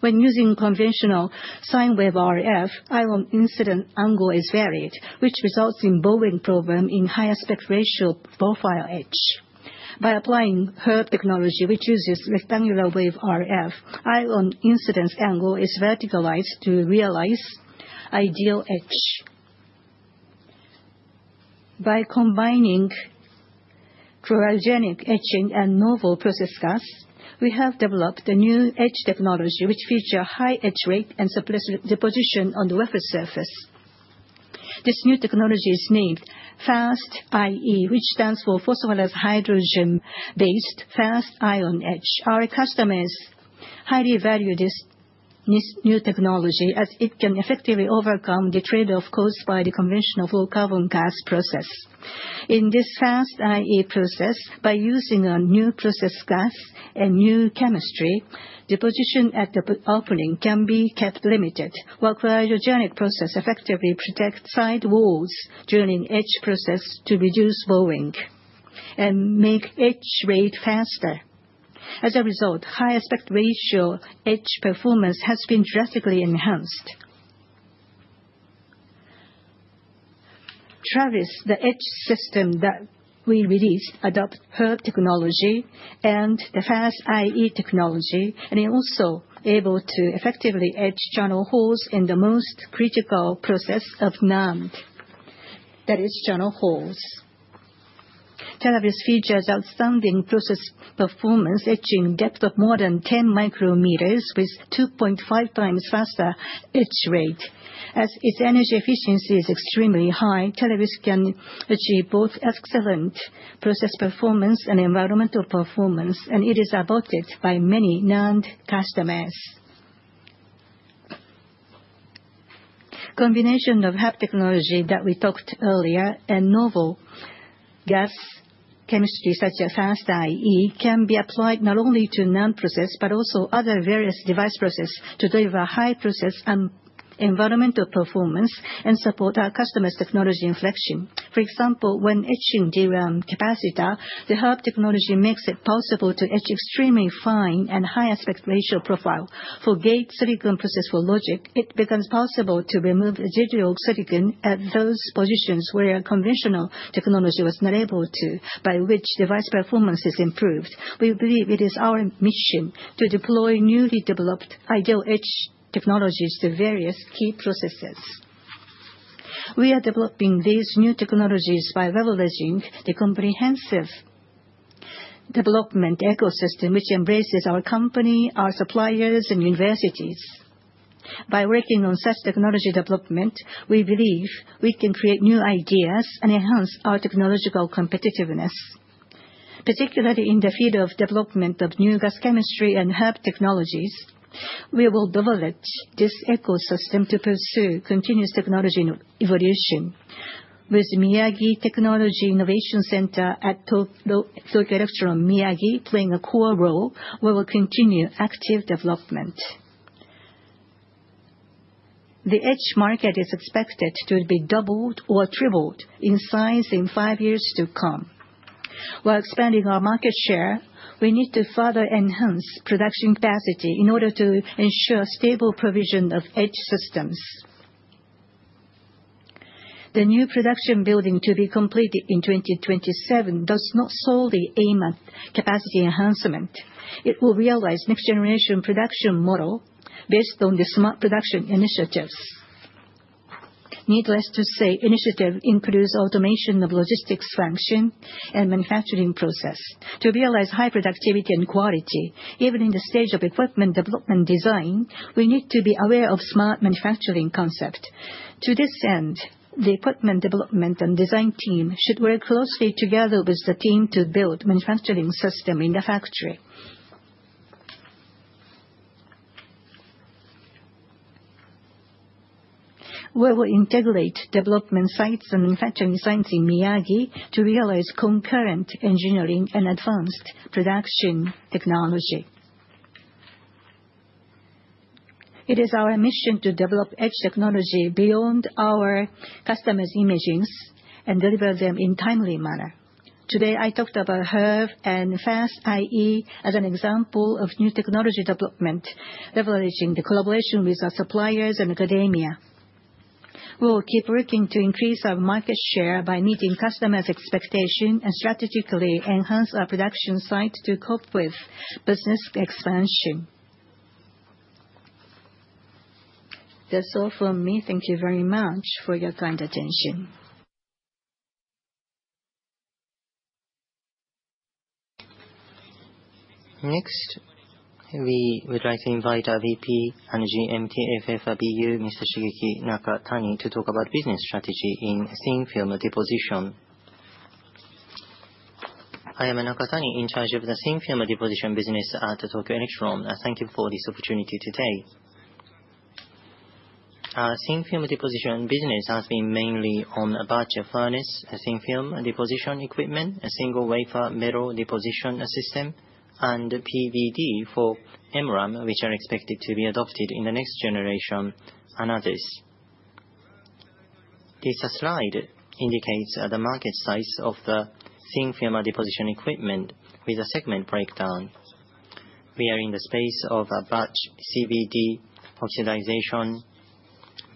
Speaker 8: When using conventional sine wave RF, ion incident angle is varied, which results in bowing problem in high aspect ratio profile etch. By applying HAR technology, which uses rectangular wave RF, ion incidence angle is verticalized to realize ideal etch. By combining cryogenic etching and novel process gas, we have developed a new etch technology, which features high etch rate and surplus deposition on the wafer surface. This new technology is named PHastIE, which stands for phosphorus hydrogen-based fast ion etch. Our customers highly value this new technology as it can effectively overcome the trade-off caused by the conventional fluorocarbon gas process. In this PHastIE process, by using a new process gas and new chemistry, deposition at the opening can be kept limited, while cryogenic process effectively protects side walls during etch process to reduce bowing and make etch rate faster. As a result, high aspect ratio etch performance has been drastically enhanced. Tactras, the etch system that we released adopts HAR technology and the PHastIE technology, and is also able to effectively etch channel holes in the most critical process of NAND, that is, channel holes. Tactras features outstanding process performance, etching depth of more than 10 micrometers with 2.5 times faster etch rate. As its energy efficiency is extremely high, [TeleVAS] can achieve both excellent process performance and environmental performance, and it is adopted by many NAND customers. Combination of HAR technology that we talked earlier and novel gas chemistry such as PHastIE can be applied not only to NAND process but also other various device process to deliver high process and environmental performance and support our customers' technology inflection. For example, when etching DRAM capacitor, the HAR technology makes it possible to etch extremely fine and high aspect ratio profile. For gate silicon process for logic, it becomes possible to remove residual silicon at those positions where conventional technology was not able to, by which device performance is improved. We believe it is our mission to deploy newly developed ideal etch technologies to various key processes. We are developing these new technologies by leveraging the comprehensive development ecosystem, which embraces our company, our suppliers, and universities. By working on such technology development, we believe we can create new ideas and enhance our technological competitiveness, particularly in the field of development of new gas chemistry and HAR technologies. We will leverage this ecosystem to pursue continuous technology evolution, with Miyagi Technology Innovation Center at Tokyo Electron Miyagi playing a core role while we continue active development. The etch market is expected to be doubled or tripled in size in five years to come. While expanding our market share, we need to further enhance production capacity in order to ensure stable provision of etch systems. The new production building to be completed in 2027 does not solely aim at capacity enhancement. It will realize next-generation production model based on the smart production initiatives. Needless to say, initiative includes automation of logistics function and manufacturing process. To realize high productivity and quality, even in the stage of equipment development design, we need to be aware of smart manufacturing concept. To this end, the equipment development and design team should work closely together with the team to build manufacturing system in the factory. We will integrate development sites and manufacturing sites in Miyagi to realize concurrent engineering and advanced production technology. It is our mission to develop etch technology beyond our customers' imagination and deliver them in a timely manner. Today, I talked about etch and PHastIE as an example of new technology development, leveraging the collaboration with our suppliers and academia. We will keep working to increase our market share by meeting customers' expectations and strategically enhance our production site to cope with business expansion. That's all from me. Thank you very much for your kind attention.
Speaker 3: Next, we would like to invite our VP and GM, TFF BU, Mr. Shigeki Nakatani, to talk about business strategy in thin film deposition.
Speaker 9: I am Nakatani, in charge of the Thin Film deposition business at Tokyo Electron. Thank you for this opportunity today. Thin film deposition business has been mainly on a batch furnace, thin film deposition equipment, a single-wafer metal deposition system, and PVD for MRAM, which are expected to be adopted in the next generation, and others. This slide indicates the market size of the thin film deposition equipment with a segment breakdown. We are in the space of batch CVD oxidation,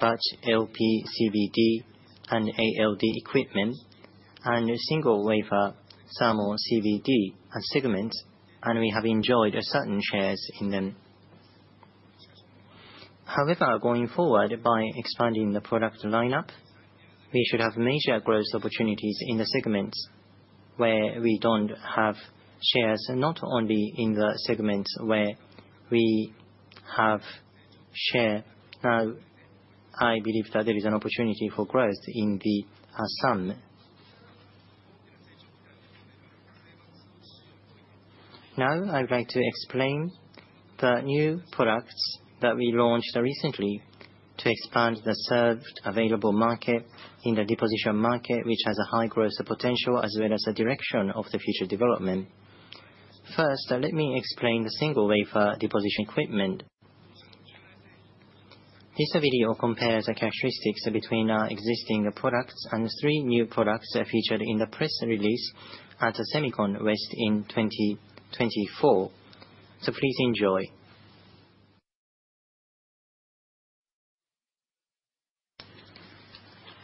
Speaker 9: batch LPCVD, and ALD equipment, and single-wafer thermal CVD segments, and we have enjoyed certain shares in them. However, going forward, by expanding the product lineup, we should have major growth opportunities in the segments where we don't have shares, not only in the segments where we have share. Now, I believe that there is an opportunity for growth in the sum. Now, I would like to explain the new products that we launched recently to expand the served available market in the deposition market, which has a high growth potential as well as a direction of the future development. First, let me explain the single-wafer deposition equipment. This video compares characteristics between our existing products and three new products featured in the press release at Semicon West in 2024. So please enjoy.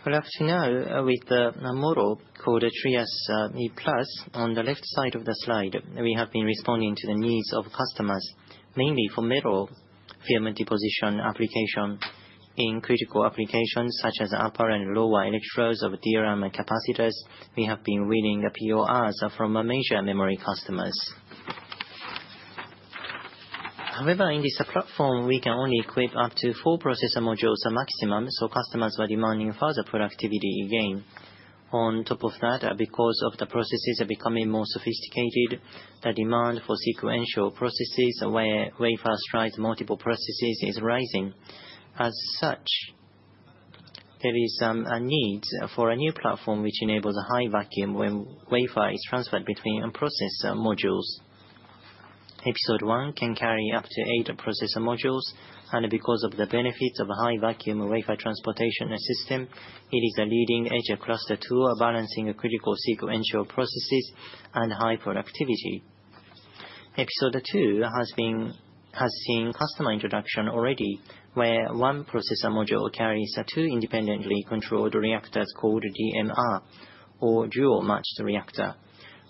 Speaker 9: Like to know with the model called Trias e+ on the left side of the slide, we have been responding to the needs of customers, mainly for metal film deposition application in critical applications such as upper and lower electrodes of DRAM capacitors. We have been winning PORs from major memory customers. However, in this platform, we can only equip up to four process modules maximum, so customers were demanding further productivity gain. On top of that, because the processes are becoming more sophisticated, the demand for sequential processes where wafer stride multiple processes is rising. As such, there is a need for a new platform which enables a high vacuum when wafer is transferred between process modules. Episode 1 can carry up to eight process modules, and because of the benefits of a high vacuum wafer transportation system, it is a leading edge cluster tool balancing critical sequential processes and high productivity. Episode 2 has seen customer introduction already, where one process module carries two independently controlled reactors called DMR or dual matched reactor.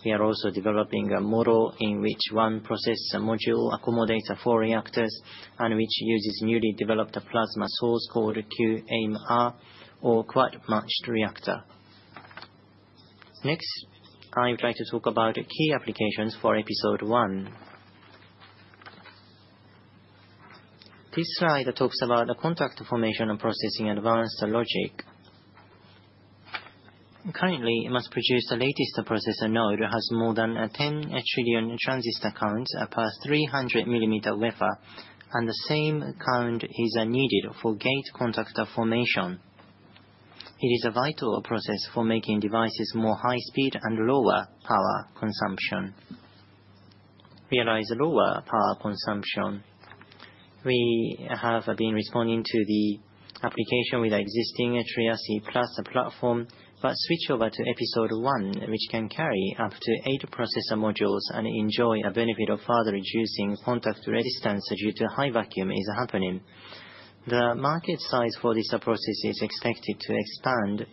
Speaker 9: We are also developing a model in which one process module accommodates four reactors and which uses newly developed plasma source called QMR or quad matched reactor. Next, I would like to talk about key applications for Episode 1. This slide talks about the contact formation and processing advanced logic. Currently, it must produce the latest processor node that has more than 10 trillion transistor counts per 300 millimeter wafer, and the same count is needed for gate contact formation. It is a vital process for making devices more high-speed and lower power consumption. Realize lower power consumption. We have been responding to the application with existing Trias e+ platform, but switch over to Episode 1, which can carry up to eight process modules and enjoy a benefit of further reducing contact resistance due to high vacuum is happening. The market size for this process is expected to expand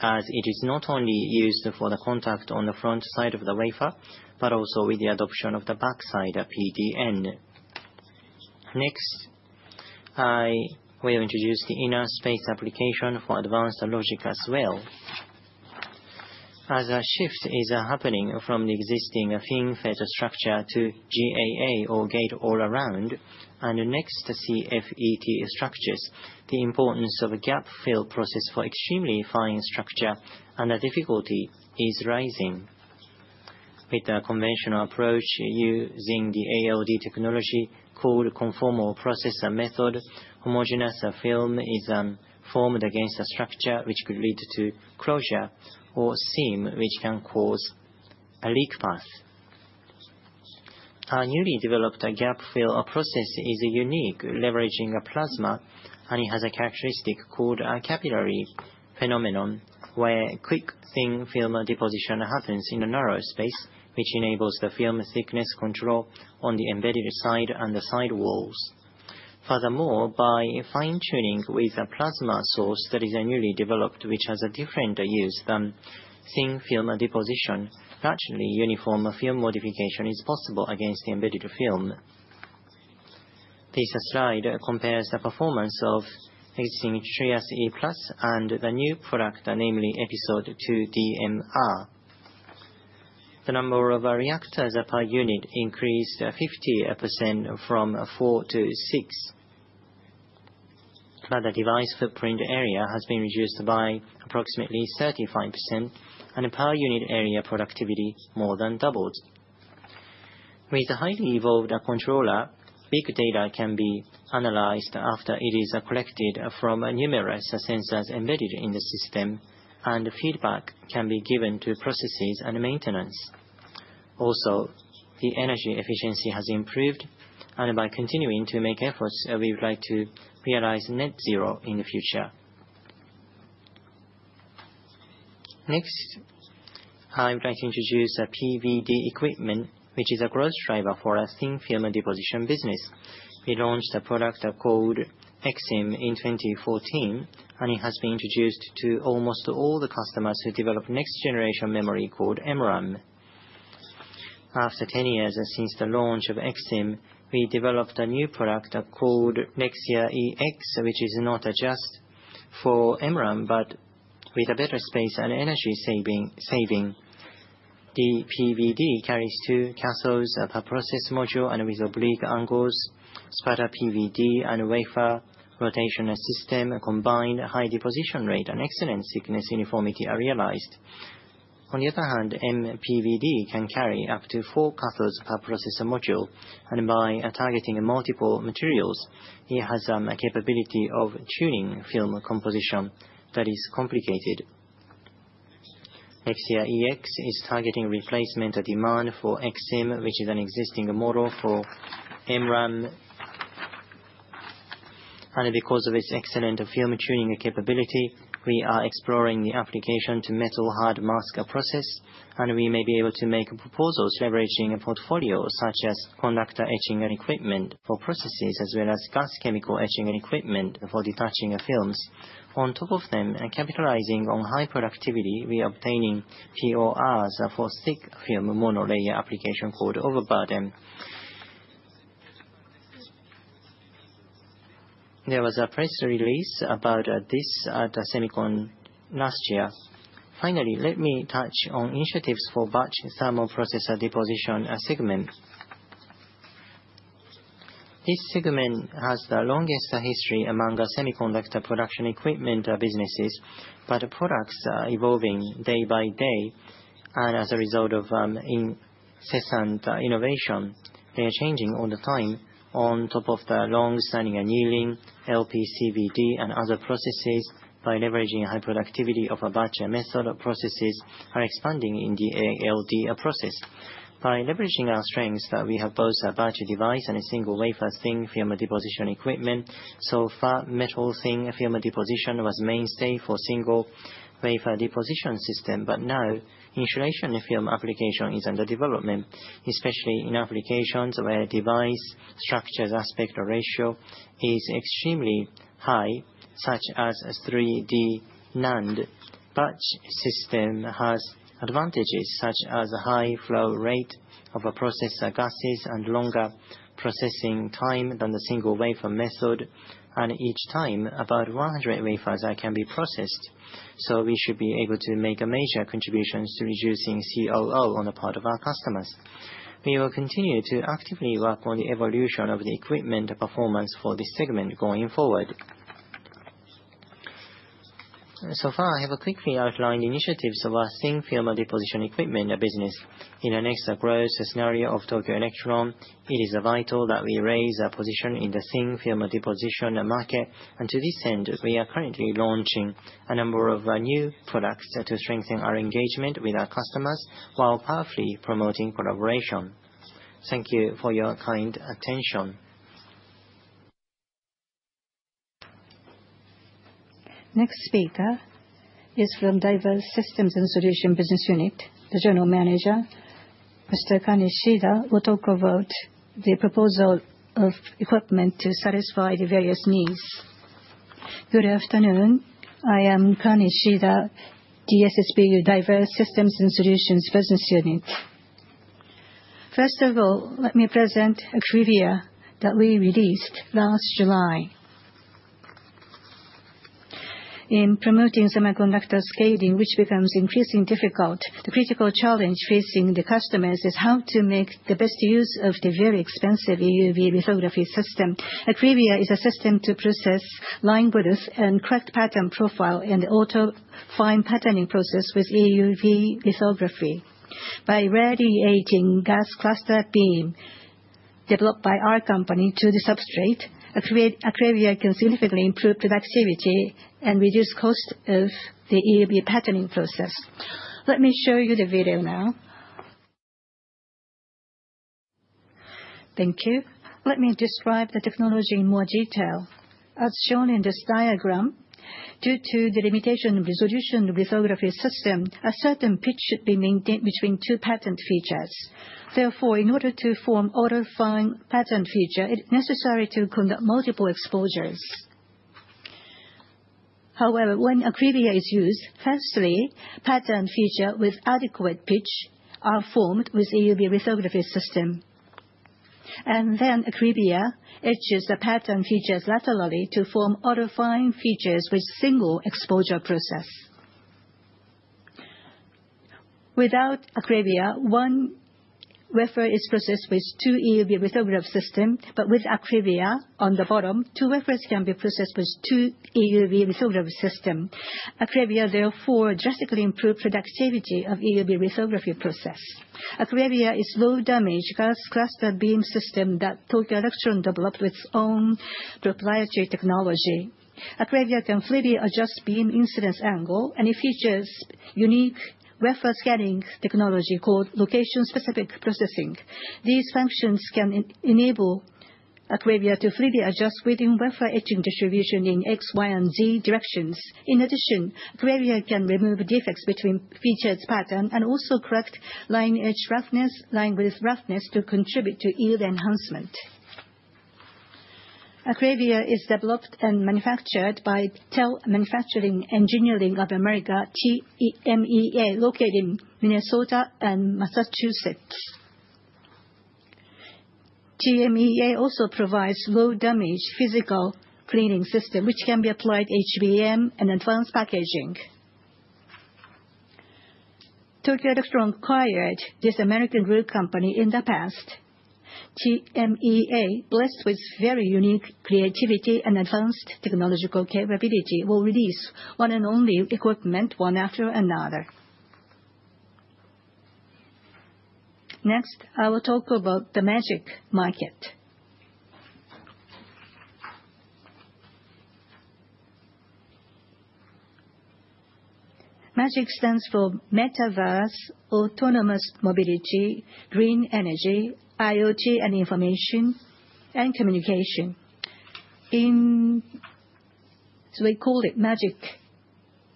Speaker 9: as it is not only used for the contact on the front side of the wafer, but also with the adoption of the backside PDN. Next, I will introduce the inner spacer application for advanced logic as well. As a shift is happening from the existing FinFET structure to GAA or gate all around and next CFET structures, the importance of a gap fill process for extremely fine structure and the difficulty is rising. With the conventional approach using the ALD technology called conformal processor method, homogeneous film is formed against a structure which could lead to closure or seam, which can cause a leak path. A newly developed gap fill process is unique, leveraging a plasma, and it has a characteristic called a capillary phenomenon where quick thin film deposition happens in a narrow space, which enables the film thickness control on the embedded side and the side walls. Furthermore, by fine-tuning with a plasma source that is newly developed, which has a different use than thin film deposition, naturally uniform film modification is possible against the embedded film. This slide compares the performance of existing Trias e+ and the new product, namely Episode 2 DMR. The number of reactors per unit increased 50% from four to six. The device footprint area has been reduced by approximately 35%, and the per unit area productivity more than doubled. With a highly evolved controller, big data can be analyzed after it is collected from numerous sensors embedded in the system, and feedback can be given to processes and maintenance. Also, the energy efficiency has improved, and by continuing to make efforts, we would like to realize net zero in the future. Next, I would like to introduce a PVD equipment, which is a growth driver for a thin film deposition business. We launched a product called EXIM in 2014, and it has been introduced to almost all the customers who develop next-generation memory called MRAM. After 10 years since the launch of EXIM, we developed a new product called Nexia EX, which is not just for MRAM, but with a better space and energy saving. The PVD carries two cassettes per process module and with oblique angles, sputter PVD, and wafer rotation system combined high deposition rate and excellent thickness uniformity are realized. On the other hand, MPVD can carry up to four cassettes per process module, and by targeting multiple materials, it has a capability of tuning film composition that is complicated. Nexia EX is targeting replacement demand for EXIM, which is an existing model for MRAM, and because of its excellent film tuning capability, we are exploring the application to metal hard mask process, and we may be able to make proposals leveraging a portfolio such as conductor etching equipment for processes as well as gas chemical etching equipment for detaching films. On top of them, capitalizing on high productivity, we are obtaining PORs for thick film monolayer application called overburden. There was a press release about this at SEMICON last year. Finally, let me touch on initiatives for batch thermal processing deposition segment. This segment has the longest history among semiconductor production equipment businesses, but products are evolving day by day, and as a result of incessant innovation, they are changing all the time on top of the long-standing new LP CVD and other processes by leveraging high productivity of a batch method, processes are expanding in the ALD process. By leveraging our strengths that we have both a batch device and a single-wafer thin film deposition equipment, so far metal thin film deposition was mainstay for single-wafer deposition system, but now insulation film application is under development, especially in applications where device structure aspect ratio is extremely high, such as 3D NAND. Batch system has advantages such as a high flow rate of process gases and longer processing time than the single-wafer method, and each time about 100 wafers can be processed. So we should be able to make a major contribution to reducing COO on the part of our customers. We will continue to actively work on the evolution of the equipment performance for this segment going forward. So far, I have quickly outlined initiatives of our thin film deposition equipment business. In the next growth scenario of Tokyo Electron, it is vital that we raise a position in the thin film deposition market, and to this end, we are currently launching a number of new products to strengthen our engagement with our customers while powerfully promoting collaboration. Thank you for your kind attention.
Speaker 1: Next speaker is from Diverse Systems and Solutions Business Unit. The general manager, Mr. Kaneshiro, will talk about the proposal of equipment to satisfy the various needs.
Speaker 6: Good afternoon. I am Kaneshiro, DSSBU Diverse Systems and Solutions Business Unit. First of all, let me present an Acrevia that we released last July. In promoting semiconductor scaling, which becomes increasingly difficult, the critical challenge facing the customers is how to make the best use of the very expensive EUV lithography system. Acrevia is a system to process line growth and correct pattern profile in the auto fine patterning process with EUV lithography. By radiating gas cluster beam developed by our company to the substrate, Acrevia can significantly improve productivity and reduce the cost of the EUV patterning process. Let me show you the video now. Thank you. Let me describe the technology in more detail. As shown in this diagram, due to the limitation of resolution lithography system, a certain pitch should be maintained between two pattern features. Therefore, in order to form auto fine pattern feature, it is necessary to conduct multiple exposures. However, when Acrevia is used, firstly, pattern feature with adequate pitch are formed with EUV lithography system, and then Acrevia etches the pattern features laterally to form auto fine features with single exposure process. Without Acrevia, one wafer is processed with two EUV lithography systems, but with Acrevia on the bottom, two wafers can be processed with two EUV lithography systems. Acrevia, therefore, drastically improves the productivity of EUV lithography process. Acrevia is low damage gas cluster beam system that Tokyo Electron developed with its own proprietary technology. Acrevia can freely adjust beam incidence angle, and it features unique wafer scanning technology called location-specific processing. These functions can enable Acrevia to freely adjust within wafer etching distribution in X, Y, and Z directions. In addition, Acrevia can remove defects between featured patterns and also correct line edge roughness, line width roughness to contribute to yield enhancement. Acrevia is developed and manufactured by Tokyo Electron Manufacturing Engineering of America, TMEA, located in Minnesota and Massachusetts. TMEA also provides low damage physical cleaning system, which can be applied to HBM and advanced packaging. Tokyo Electron acquired this American group company in the past. TMEA, blessed with very unique creativity and advanced technological capability, will release one and only equipment one after another. Next, I will talk about the MAGIC market. Magic stands for metaverse, autonomous mobility, green energy, IoT, and information and communication. So we call it MAGIC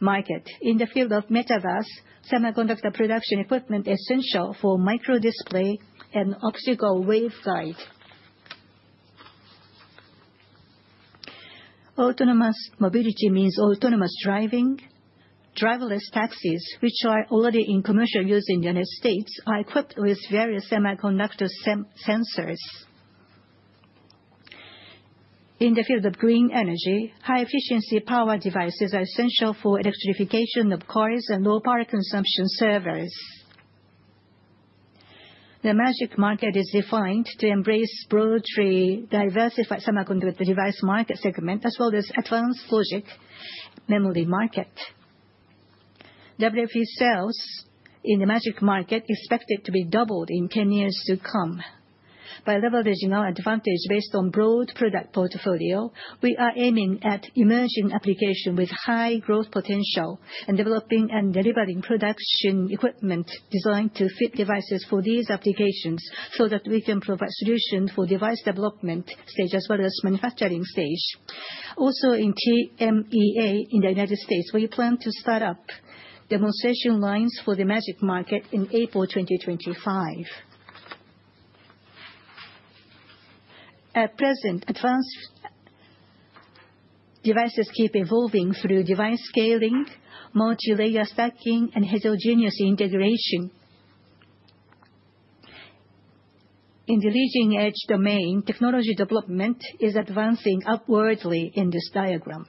Speaker 6: market. In the field of metaverse, semiconductor production equipment is essential for micro display and optical waveguide. Autonomous mobility means autonomous driving. Driverless taxis, which are already in commercial use in the United States, are equipped with various semiconductor sensors. In the field of green energy, high-efficiency power devices are essential for electrification of cars and low-power consumption servers. The MAGIC market is defined to embrace broadly diversified semiconductor device market segment, as well as advanced logic memory market. WFE sales in the MAGIC market are expected to be doubled in 10 years to come. By leveraging our advantage based on broad product portfolio, we are aiming at emerging applications with high growth potential and developing and delivering production equipment designed to fit devices for these applications so that we can provide solutions for device development stage as well as manufacturing stage. Also in TMEA in the United States, we plan to start up demonstration lines for the MAGIC market in April 2025. At present, advanced devices keep evolving through device scaling, multi-layer stacking, and heterogeneous integration. In the leading-edge domain, technology development is advancing upwardly in this diagram.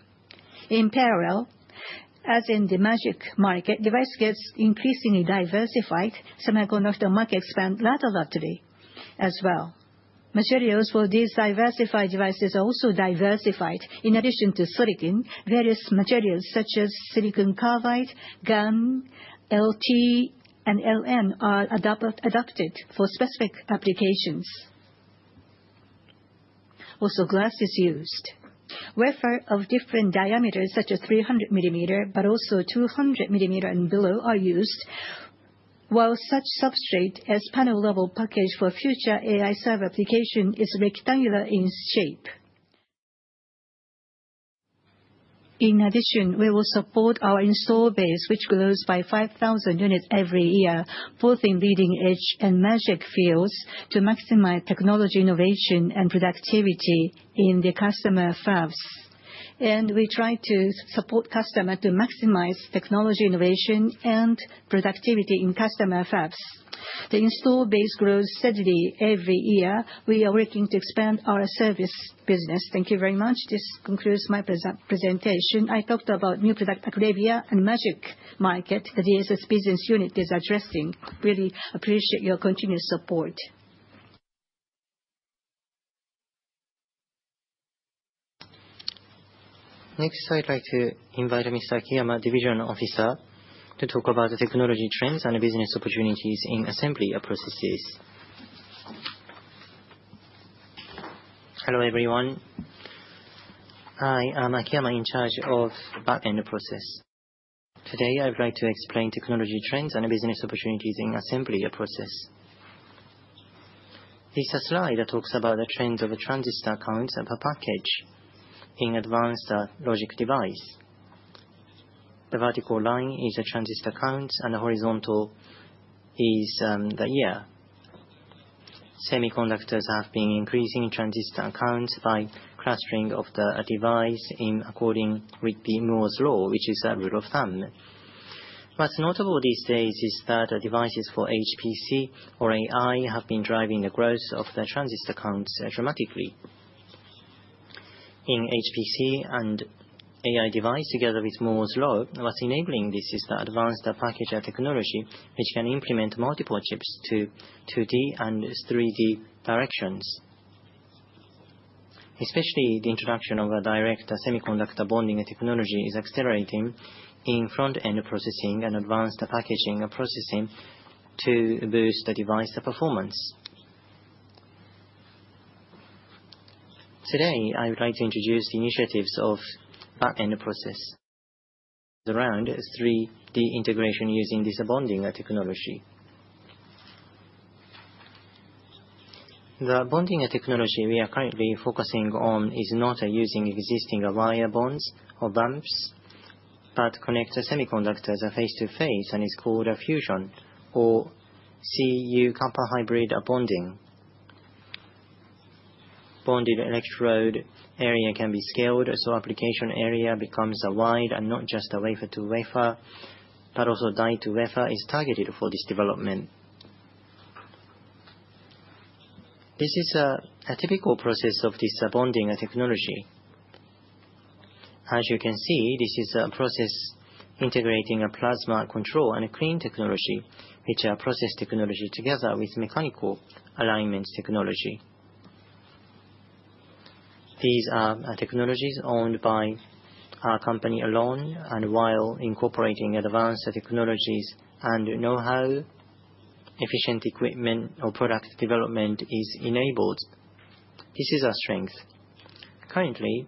Speaker 6: In parallel, as in the MAGIC market, devices get increasingly diversified. Semiconductor market expands laterally as well. Materials for these diversified devices are also diversified. In addition to silicon, various materials such as silicon carbide, GaN, LT, and LN are adopted for specific applications. Also, glass is used. Wafers of different diameters, such as 300 millimeter, but also 200 millimeter and below, are used, while such substrate as panel-level package for future AI server application is rectangular in shape. In addition, we will support our install base, which grows by 5,000 units every year, both in leading-edge and MAGIC fields, to maximize technology innovation and productivity in the customer fabs. And we try to support customers to maximize technology innovation and productivity in customer fabs. The install base grows steadily every year. We are working to expand our service business. Thank you very much. This concludes my presentation. I talked about new product Acrevia and MAGIC market that the DSS BU's unit is addressing. Really appreciate your continued support.
Speaker 3: Next, I'd like to invite Mr. Akiyama, Division Officer, to talk about the technology trends and business opportunities in assembly processes.
Speaker 10: Hello everyone. I am Akiyama, in charge of back-end process. Today, I'd like to explain technology trends and business opportunities in assembly process. This slide talks about the trends of transistor counts per package in advanced logic device. The vertical line is a transistor count, and the horizontal is the year. Semiconductors have been increasing transistor counts by clustering of the device according to Moore's law, which is a rule of thumb. What's notable these days is that devices for HPC or AI have been driving the growth of the transistor counts dramatically. In HPC and AI devices, together with Moore's law, what's enabling this is the advanced package technology, which can implement multiple chips to 2D and 3D directions. Especially, the introduction of a direct semiconductor bonding technology is accelerating in front-end processing and advanced packaging processing to boost the device performance. Today, I would like to introduce the initiatives of back-end process around 3D integration using this bonding technology. The bonding technology we are currently focusing on is not using existing wire bonds or bumps, but connects semiconductors face to face and is called a fusion or Cu-Cu hybrid bonding. Bonded electrode area can be scaled so application area becomes wide and not just a wafer to wafer, but also die to wafer is targeted for this development. This is a typical process of this bonding technology. As you can see, this is a process integrating a plasma control and a clean technology, which are process technologies together with mechanical alignment technology. These are technologies owned by our company alone, and while incorporating advanced technologies and know-how, efficient equipment or product development is enabled. This is our strength. Currently,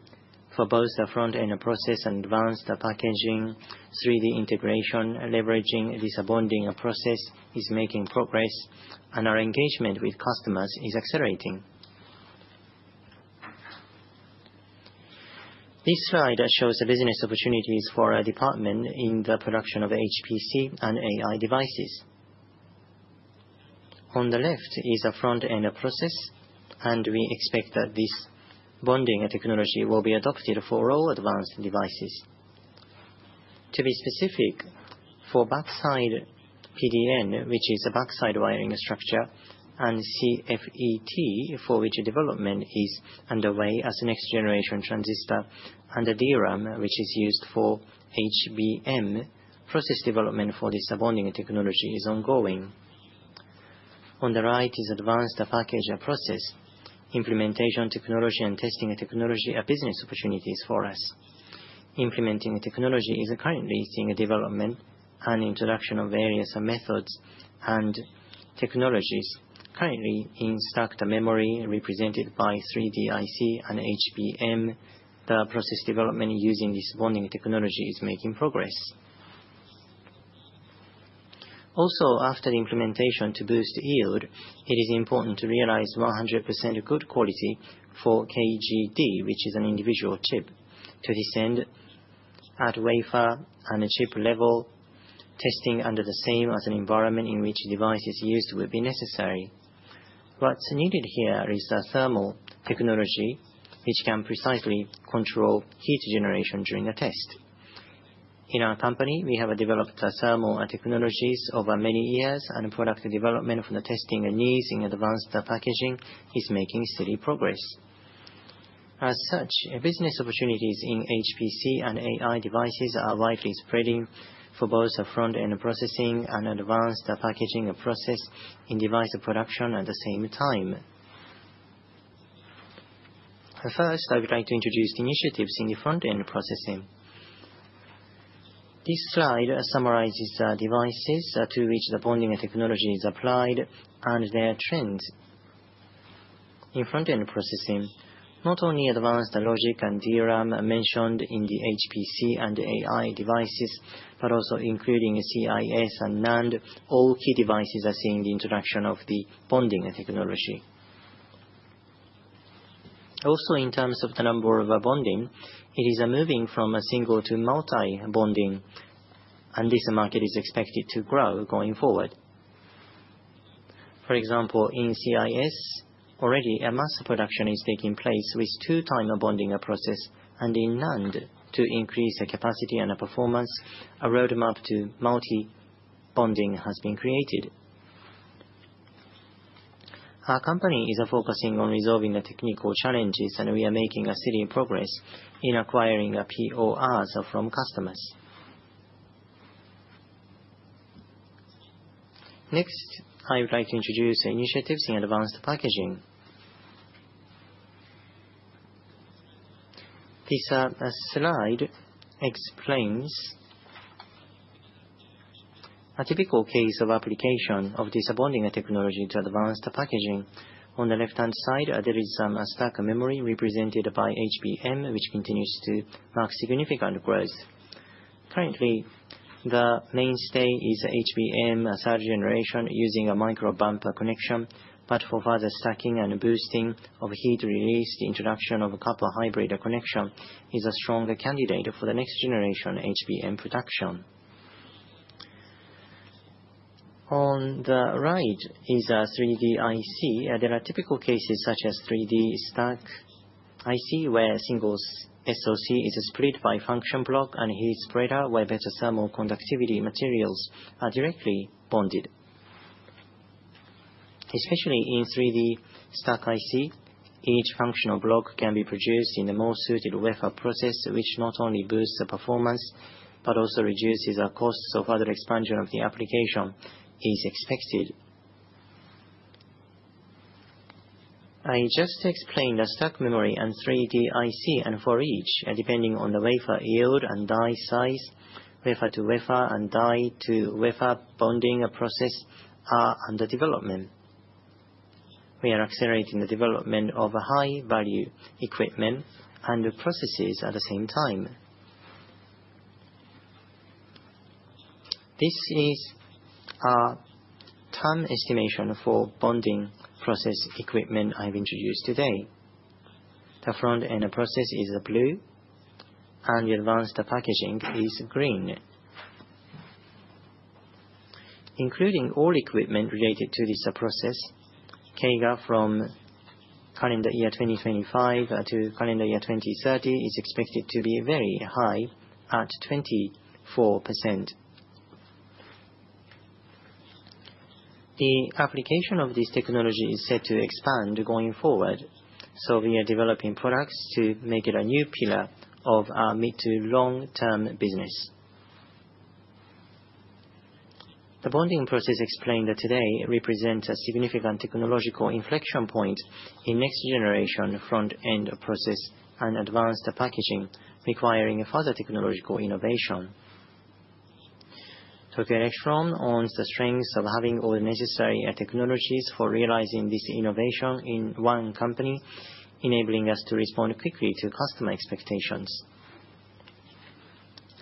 Speaker 10: for both the front-end process and advanced packaging 3D integration, leveraging this bonding process is making progress, and our engagement with customers is accelerating. This slide shows the business opportunities for our department in the production of HPC and AI devices. On the left is a front-end process, and we expect that this bonding technology will be adopted for all advanced devices. To be specific, for backside PDN, which is a backside wiring structure, and CFET, for which development is underway as next-generation transistor, and DRAM, which is used for HBM process development for this bonding technology, is ongoing. On the right is advanced package process, implementation technology, and testing technology are business opportunities for us. Implementing technology is currently seeing development and introduction of various methods and technologies. Currently, in stacked memory represented by 3D IC and HBM, the process development using this bonding technology is making progress. Also, after the implementation to boost yield, it is important to realize 100% good quality for KGD, which is an individual chip, to ensure at wafer and chip level, testing under the same environment as the environment in which devices are used would be necessary. What's needed here is a thermal technology, which can precisely control heat generation during a test. In our company, we have developed thermal technologies over many years, and product development for the testing and using advanced packaging is making steady progress. As such, business opportunities in HPC and AI devices are widely spreading for both front-end processing and advanced packaging process in device production at the same time. First, I would like to introduce the initiatives in the front-end processing. This slide summarizes the devices to which the bonding technology is applied and their trends. In front-end processing, not only advanced logic and DRAM mentioned in the HPC and AI devices, but also including CIS and NAND, all key devices are seeing the introduction of the bonding technology. Also, in terms of the number of bonding, it is moving from a single to multi-bonding, and this market is expected to grow going forward. For example, in CIS, already a mass production is taking place with two-time bonding process, and in NAND, to increase capacity and performance, a roadmap to multi-bonding has been created. Our company is focusing on resolving the technical challenges, and we are making steady progress in acquiring PORs from customers. Next, I would like to introduce initiatives in advanced packaging. This slide explains a typical case of application of this bonding technology to advanced packaging. On the left-hand side, there is stack memory represented by HBM, which continues to mark significant growth. Currently, the mainstay is HBM third generation using a micro-bump connection, but for further stacking and boosting of heat release, the introduction of a copper hybrid connection is a strong candidate for the next generation HBM production. On the right is 3D IC. There are typical cases such as 3D stack IC, where a single SoC is split by function block, and heat spreader where better thermal conductivity materials are directly bonded. Especially in 3D stack IC, each functional block can be produced in a more suited wafer process, which not only boosts performance but also reduces the costs of further expansion of the application, is expected. I just explained the stacked memory and 3D IC, and for each, depending on the wafer yield and die size, wafer-to-wafer and die-to-wafer bonding processes are under development. We are accelerating the development of high-value equipment and processes at the same time. This is our timeline estimation for bonding process equipment I've introduced today. The front-end process is blue, and the advanced packaging is green. Including all equipment related to this process, CAGR from calendar year 2025 to calendar year 2030 is expected to be very high at 24%. The application of this technology is set to expand going forward, so we are developing products to make it a new pillar of our mid- to long-term business. The bonding process explained today represents a significant technological inflection point in next-generation front-end process and advanced packaging requiring further technological innovation. Tokyo Electron owns the strengths of having all the necessary technologies for realizing this innovation in one company, enabling us to respond quickly to customer expectations.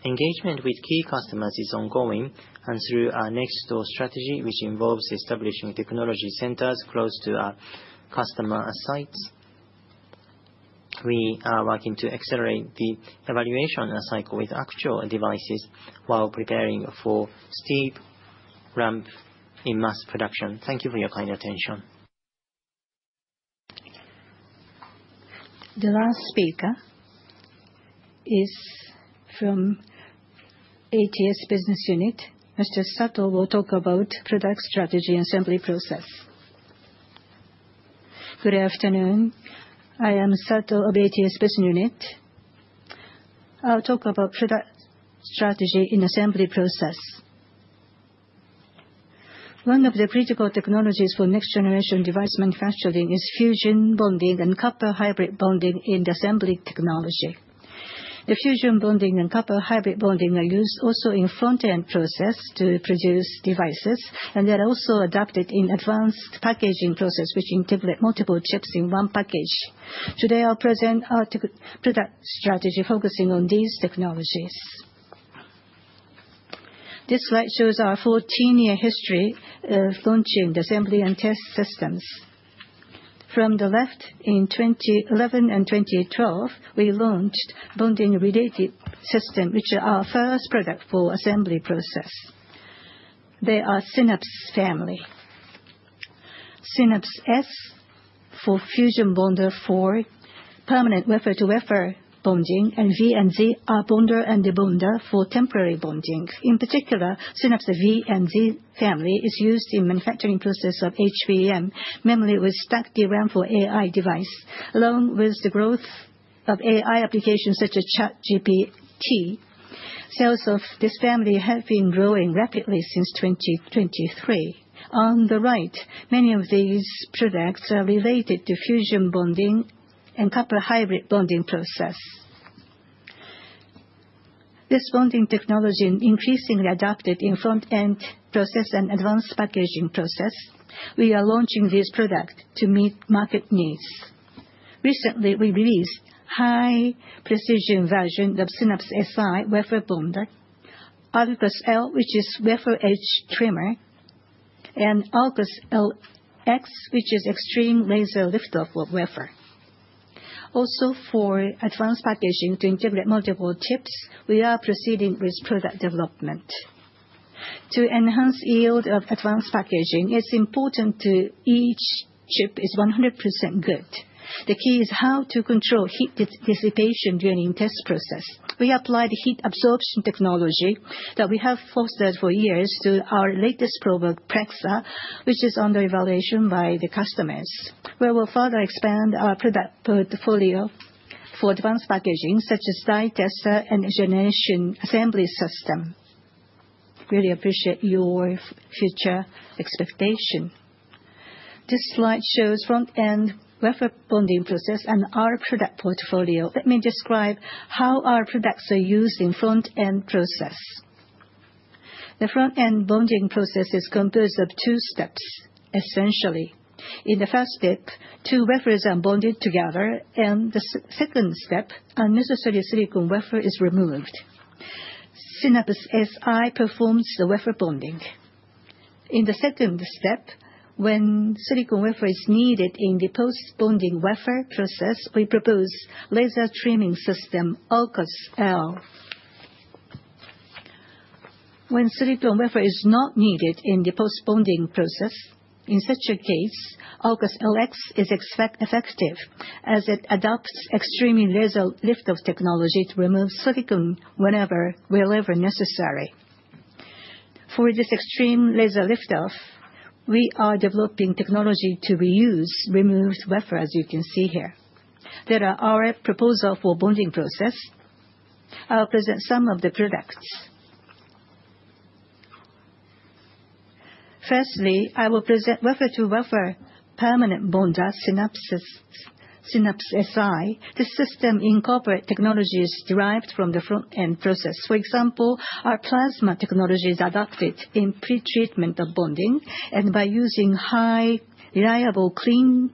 Speaker 10: Engagement with key customers is ongoing, and through our next door strategy, which involves establishing technology centers close to our customer sites, we are working to accelerate the evaluation cycle with actual devices while preparing for steep ramp in mass production. Thank you for your kind attention.
Speaker 1: The last speaker is from ATS Business Unit. Mr. Sato will talk about product strategy and assembly process.
Speaker 11: Good afternoon. I am Sato of ATS Business Unit. I'll talk about product strategy in assembly process. One of the critical technologies for next-generation device manufacturing is fusion bonding and copper hybrid bonding in assembly technology. The fusion bonding and copper hybrid bonding are used also in front-end process to produce devices, and they are also adapted in advanced packaging process, which integrates multiple chips in one package. Today, I'll present our product strategy focusing on these technologies. This slide shows our 14-year history of launching assembly and test systems. From the left, in 2011 and 2012, we launched bonding-related systems, which are our first product for assembly process. They are Synapse family. Synapse S for fusion bonder, for permanent wafer-to-wafer bonding, and V and Z are bonder and debonder for temporary bonding. In particular, Synapse V and Z family is used in the manufacturing process of HBM, mainly with stacked DRAM for AI devices, along with the growth of AI applications such as ChatGPT. Sales of this family have been growing rapidly since 2023. On the right, many of these products are related to fusion bonding and copper hybrid bonding process. This bonding technology is increasingly adopted in front-end process and advanced packaging process. We are launching this product to meet market needs. Recently, we released a high-precision version of Synapse S wafer bonder, Ulucus L, which is wafer edge trimmer, and Ulucus LX, which is extreme laser lift-off of wafer. Also, for advanced packaging to integrate multiple chips, we are proceeding with product development. To enhance the yield of advanced packaging, it's important that each chip is 100% good. The key is how to control heat dissipation during the test process. We applied heat absorption technology that we have fostered for years to our latest product, Praxa, which is under evaluation by the customers. We will further expand our product portfolio for advanced packaging, such as die tester and generation assembly system. Really appreciate your future expectation. This slide shows the front-end wafer bonding process and our product portfolio. Let me describe how our products are used in front-end process. The front-end bonding process is composed of two steps, essentially. In the first step, two wafers are bonded together, and the second step, unnecessary silicon wafer is removed. Synapse S performs the wafer bonding. In the second step, when silicon wafer is needed in the post-bonding wafer process, we propose a laser trimming system, Ulucus L. When silicon wafer is not needed in the post-bonding process, in such a case, Ulucus LX is effective as it adopts extreme laser lift-off technology to remove silicon wherever necessary. For this extreme laser lift-off, we are developing technology to reuse removed wafer, as you can see here. There is our proposal for bonding process. I'll present some of the products. Firstly, I will present wafer-to-wafer permanent bonder Synapse S. This system incorporates technologies derived from the front-end process. For example, our plasma technology is adopted in pretreatment of bonding, and by using a highly reliable clean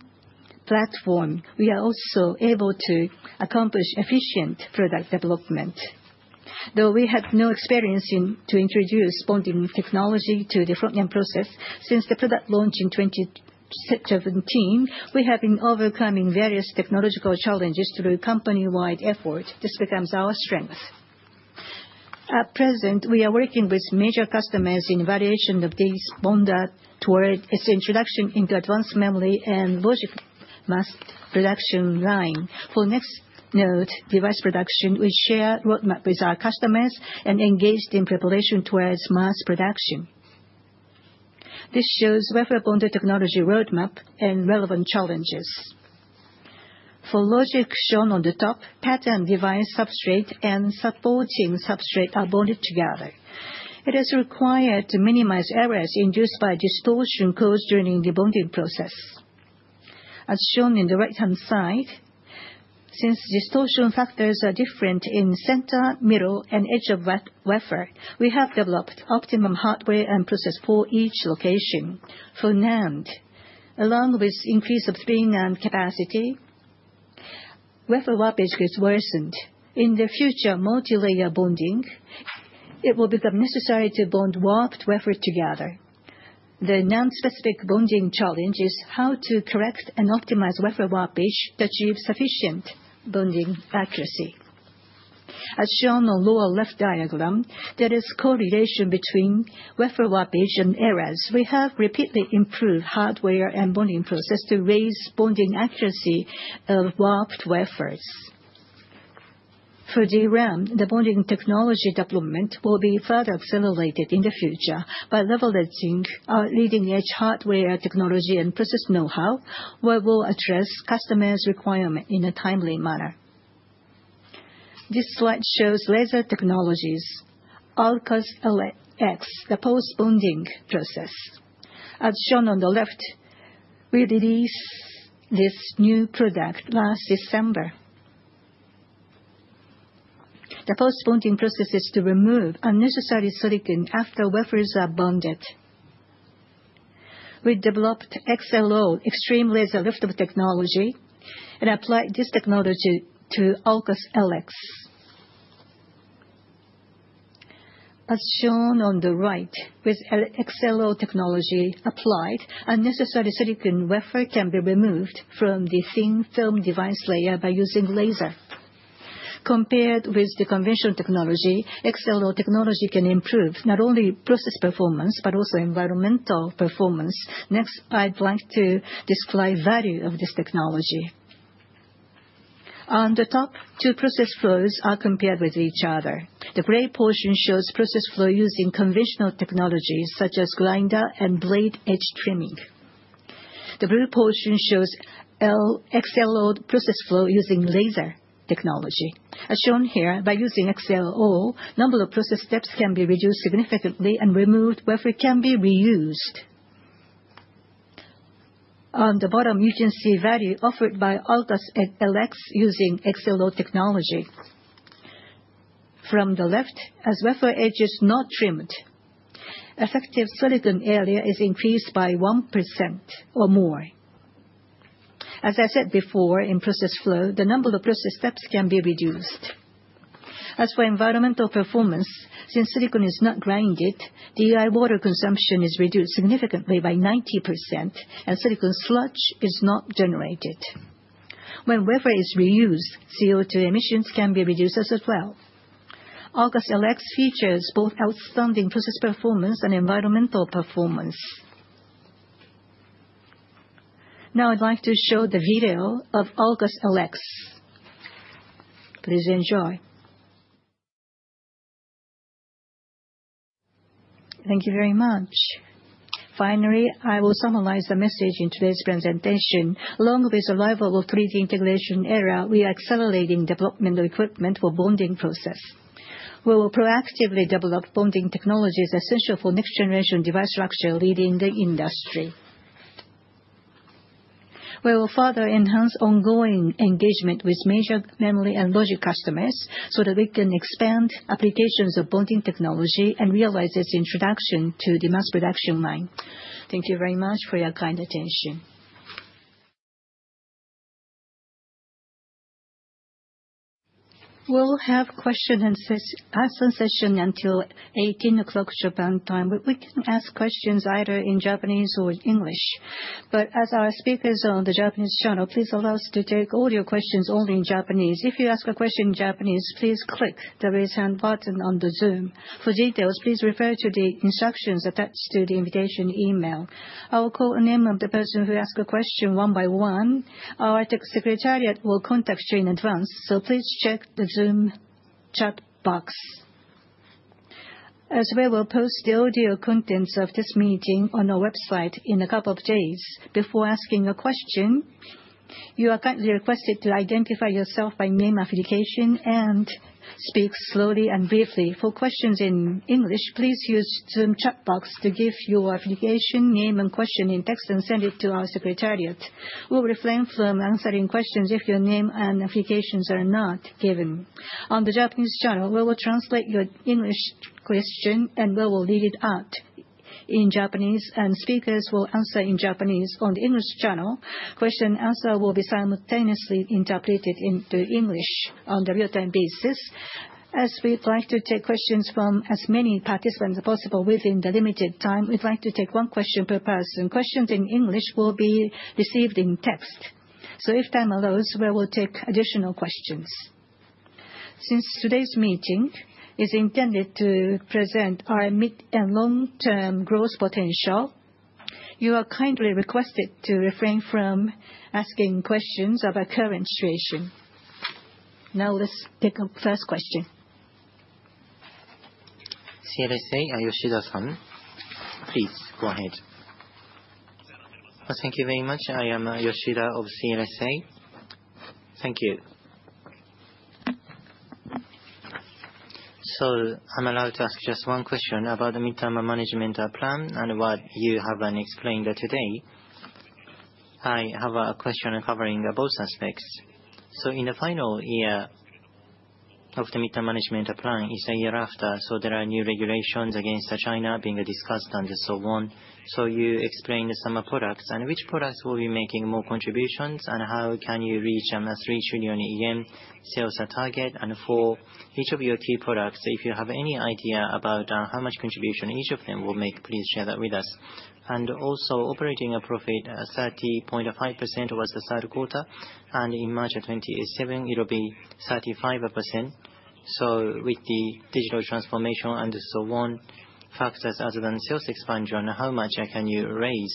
Speaker 11: platform, we are also able to accomplish efficient product development. Though we had no experience in introducing bonding technology to the front-end process, since the product launch in 2017, we have been overcoming various technological challenges through company-wide effort. This becomes our strength. At present, we are working with major customers in evaluation of these bonders towards their introduction into advanced memory and logic mass production line. For next-node device production, we share a roadmap with our customers and engage in preparation towards mass production. This shows wafer bonder technology roadmap and relevant challenges. For logic, shown on the top, patterned device substrate and supporting substrate are bonded together. It is required to minimize errors induced by distortion caused during the bonding process. As shown in the right-hand side, since distortion factors are different in center, middle, and edge of wafer, we have developed optimum hardware and process for each location. For NAND, along with the increase of layers and capacity, wafer warpage is worsened. In the future, multi-layer bonding. It will become necessary to bond warped wafers together. The NAND-specific bonding challenge is how to correct and optimize wafer warpage to achieve sufficient bonding accuracy. As shown on the lower-left diagram, there is a correlation between wafer warpage and errors. We have repeatedly improved hardware and bonding process to raise bonding accuracy of warped wafers. For DRAM, the bonding technology development will be further accelerated in the future by leveraging our leading-edge hardware technology and process know-how, where we will address customers' requirements in a timely manner. This slide shows laser technologies, Ulucus LX, the post-bonding process. As shown on the left, we released this new product last December. The post-bonding process is to remove unnecessary silicon after wafers are bonded. We developed XLO, extreme laser lift-off technology, and applied this technology to Ulucus LX. As shown on the right, with XLO technology applied, unnecessary silicon wafer can be removed from the thin film device layer by using laser. Compared with the conventional technology, XLO technology can improve not only process performance but also environmental performance. Next, I'd like to describe the value of this technology. On the top, two process flows are compared with each other. The gray portion shows process flow using conventional technologies such as grinder and blade edge trimming. The blue portion shows XLO process flow using laser technology. As shown here, by using XLO, number of process steps can be reduced significantly and removed wafer can be reused. On the bottom, you can see the value offered by Ulucus LX using XLO technology. From the left, as wafer edge is not trimmed, effective silicon area is increased by 1% or more. As I said before, in process flow, the number of process steps can be reduced. As for environmental performance, since silicon is not ground, DI water consumption is reduced significantly by 90%, and silicon sludge is not generated. When wafer is reused, CO2 emissions can be reduced as well. Ulucus LX features both outstanding process performance and environmental performance. Now, I'd like to show the video of Ulucus LX. Please enjoy. Thank you very much.
Speaker 1: Finally, I will summarize the message in today's presentation. Along with the arrival of 3D integration era, we are accelerating the development of equipment for bonding process. We will proactively develop bonding technologies essential for next-generation device structure leading the industry. We will further enhance ongoing engagement with major memory and logic customers so that we can expand applications of bonding technology and realize its introduction to the mass production line. Thank you very much for your kind attention. We'll have questions and answer session until 6:00 P.M. Japan time. We can ask questions either in Japanese or in English. But as our speakers are on the Japanese channel, please allow us to take audio questions only in Japanese. If you ask a question in Japanese, please click the raise hand button on the Zoom. For details, please refer to the instructions attached to the invitation email. I will call the name of the person who asked a question one by one. Our secretariat will contact you in advance, so please check the Zoom chat box as we will post the audio contents of this meeting on our website in a couple of days. Before asking a question, you are kindly requested to identify yourself by name and affiliation and speak slowly and briefly. For questions in English, please use the Zoom chat box to give your affiliation, name, and question in text and send it to our secretariat. We will refrain from answering questions if your name and affiliations are not given. On the Japanese channel, we will translate your English question and we will read it out in Japanese, and speakers will answer in Japanese. On the English channel, question and answer will be simultaneously interpreted into English on a real-time basis. As we'd like to take questions from as many participants as possible within the limited time, we'd like to take one question per person. Questions in English will be received in text. So if time allows, we will take additional questions. Since today's meeting is intended to present our mid and long-term growth potential, you are kindly requested to refrain from asking questions about current situation. Now, let's take a first question.
Speaker 3: CLSA, Yu Yoshida-san. Please go ahead.
Speaker 12: Thank you very much. I am Yu Yoshida of CLSA. Thank you. So I'm allowed to ask just one question about the mid-term management plan and what you have explained today. I have a question covering both aspects. So in the final year of the mid-term management plan is a year after, so there are new regulations against China being discussed and so on. So you explained some products. And which products will be making more contributions, and how can you reach a 3 trillion yen sales target? And for each of your key products, if you have any idea about how much contribution each of them will make, please share that with us. And also, operating profit is 30.5% was the third quarter, and in March of 2027, it will be 35%. So with the digital transformation and so on, factors other than sales expansion, how much can you raise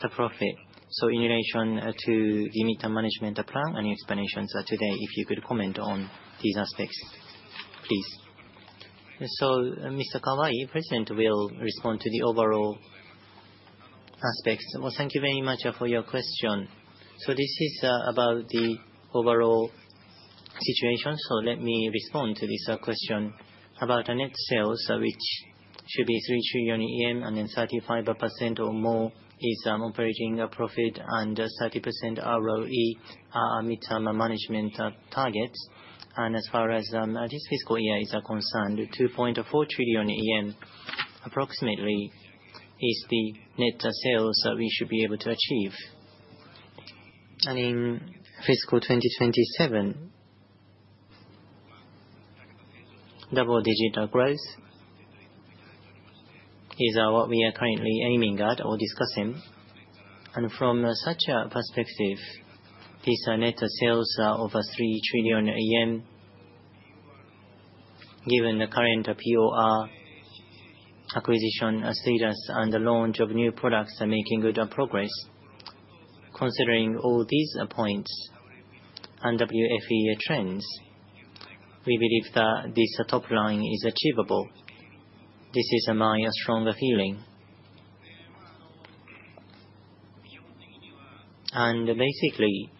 Speaker 12: the profit? So in relation to the mid-term management plan and explanations today, if you could comment on these aspects, please.
Speaker 4: So Mr. Kawai, the President, will respond to the overall aspects. Well, thank you very much for your question. So this is about the overall situation. So let me respond to this question about net sales, which should be 3 trillion yen, and then 35% or more is operating profit and 30% ROE are mid-term management targets. And as far as this fiscal year is concerned, 2.4 trillion yen approximately is the net sales we should be able to achieve. And in fiscal 2027, double-digit growth is what we are currently aiming at or discussing. And from such a perspective, these net sales are over 3 trillion yen given the current POR acquisition status and the launch of new products making good progress. Considering all these points and WFE trends, we believe that this top line is achievable. This is my strong feeling. And basically,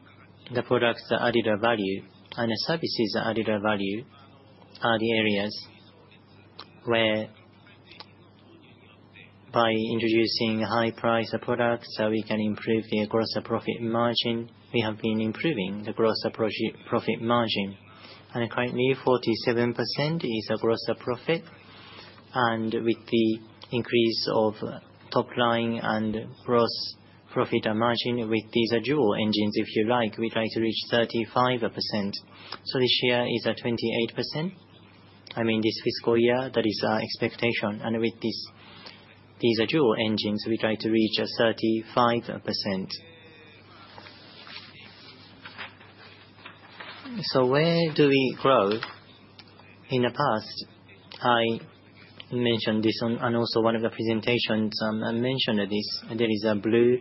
Speaker 4: the products added value and the services added value are the areas where, by introducing high-priced products, we can improve the gross profit margin. We have been improving the gross profit margin. And currently, 47% is a gross profit. And with the increase of top line and gross profit margin with these dual engines, if you like, we'd like to reach 35%. So this year is 28%. I mean, this fiscal year, that is our expectation. And with these dual engines, we'd like to reach 35%. So where do we grow? In the past, I mentioned this on, and also one of the presentations, I mentioned this. There is a blue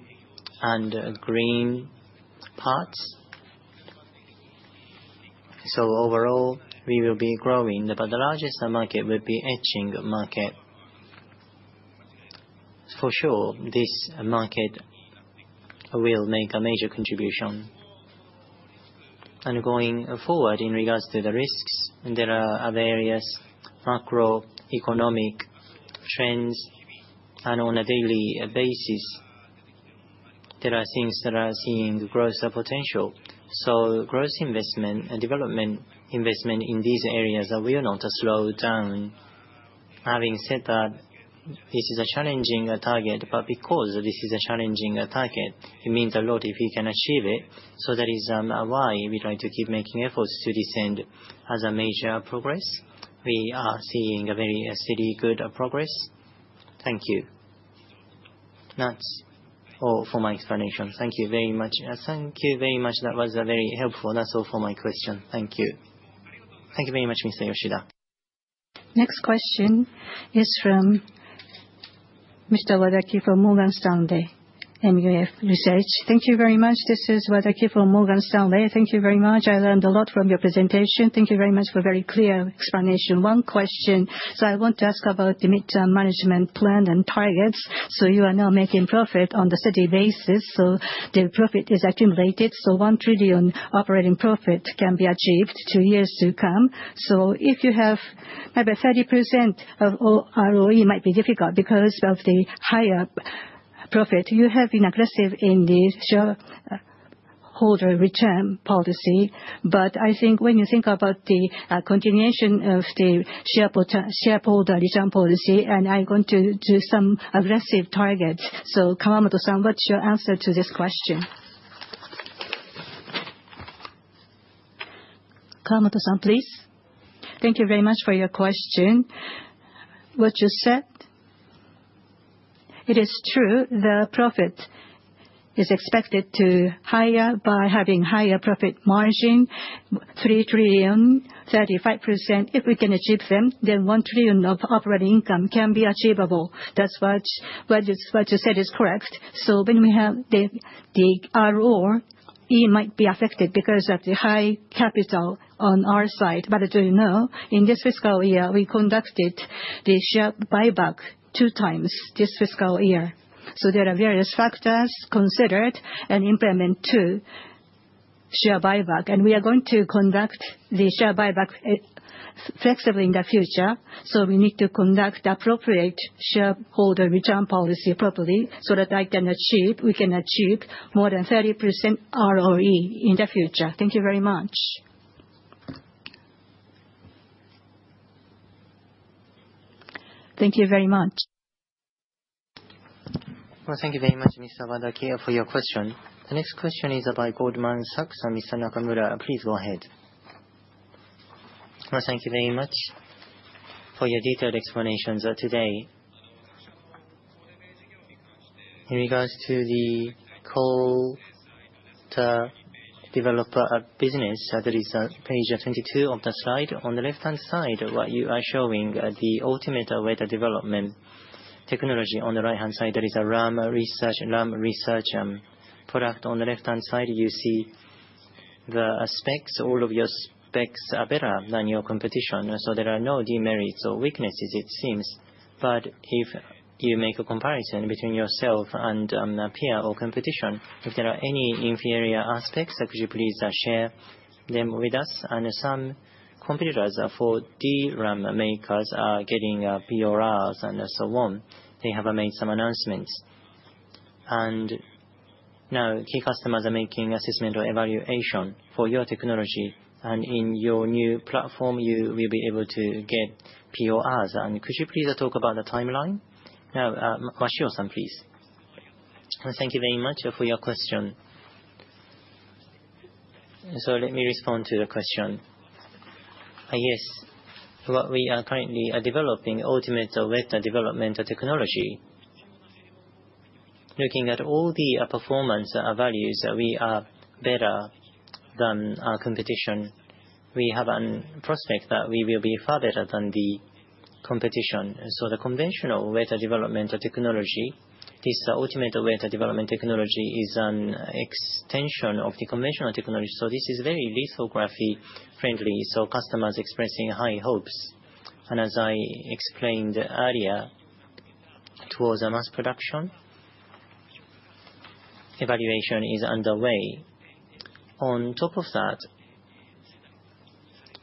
Speaker 4: and green part. So overall, we will be growing, but the largest market will be the etching market. For sure, this market will make a major contribution. And going forward, in regards to the risks, there are various macroeconomic trends. And on a daily basis, there are things that are seeing growth potential. So growth investment and development investment in these areas will not slow down. Having said that, this is a challenging target, but because this is a challenging target, it means a lot if we can achieve it. So that is why we'd like to keep making efforts to ascend as a major player. We are seeing a very steady, good progress. Thank you. That's all for my explanation.
Speaker 12: Thank you very much. Thank you very much. That was very helpful. That's all for my question. Thank you.
Speaker 4: Thank you very much, Mr. Yoshida.
Speaker 1: Next question is from Mr. Wadaki from Morgan Stanley MUFG Research.
Speaker 13: Thank you very much. This is Wadaki from Morgan Stanley. Thank you very much. I learned a lot from your presentation. Thank you very much for a very clear explanation. One question. So I want to ask about the mid-term management plan and targets. You are now making profit on a steady basis. So the profit is accumulated. So 1 trillion JPY operating profit can be achieved in two years to come. So if you have maybe 30% of ROE, it might be difficult because of the higher profit. You have been aggressive in the shareholder return policy. But I think when you think about the continuation of the shareholder return policy, and I'm going to do some aggressive targets. So Kawamoto-san, what's your answer to this question?
Speaker 1: Kawamoto-san, please.
Speaker 4: Thank you very much for your question. What you said, it is true. The profit is expected to be higher by having a higher profit margin, 3 trillion JPY, 35%. If we can achieve them, then 1 trillion JPY of operating income can be achievable. That's what you said is correct. So when we have the ROE, it might be affected because of the high capital on our side. But as you know, in this fiscal year, we conducted the share buyback two times this fiscal year. So there are various factors considered and implemented to share buyback. And we are going to conduct the share buyback flexibly in the future. So we need to conduct appropriate shareholder return policy properly so that we can achieve more than 30% ROE in the future. T
Speaker 13: Thank you very much. Thank you very much.
Speaker 3: Well, thank you very much, Mr. Wadaki, for your question. The next question is about Goldman Sachs and Mr. Nakamura.Please go ahead.
Speaker 14: Well, thank you very much for your detailed explanations today. In regards to the call to develop a business, there is page 22 of the slide. On the left-hand side, what you are showing is the ultimate way to develop technology. On the right-hand side, there is a DRAM research product. On the left-hand side, you see the specs. All of your specs are better than your competition. So there are no demerits or weaknesses, it seems. But if you make a comparison between yourself and peers or competition, if there are any inferior aspects, could you please share them with us? And some competitors for DRAM makers are getting PORs and so on. They have made some announcements. And now, key customers are making assessment or evaluation for your technology. And in your new platform, you will be able to get PORs. And could you please talk about the timeline? Now, Yasuhiro-san, please.
Speaker 7: Thank you very much for your question. So let me respond to the question. Yes. What we are currently developing, ultimate way to develop technology, looking at all the performance values, we are better than our competition. We have a prospect that we will be far better than the competition. So the conventional way to develop technology, this ultimate way to develop technology is an extension of the conventional technology. So this is very lithography-friendly. So customers are expressing high hopes. And as I explained earlier, towards mass production, evaluation is underway. On top of that,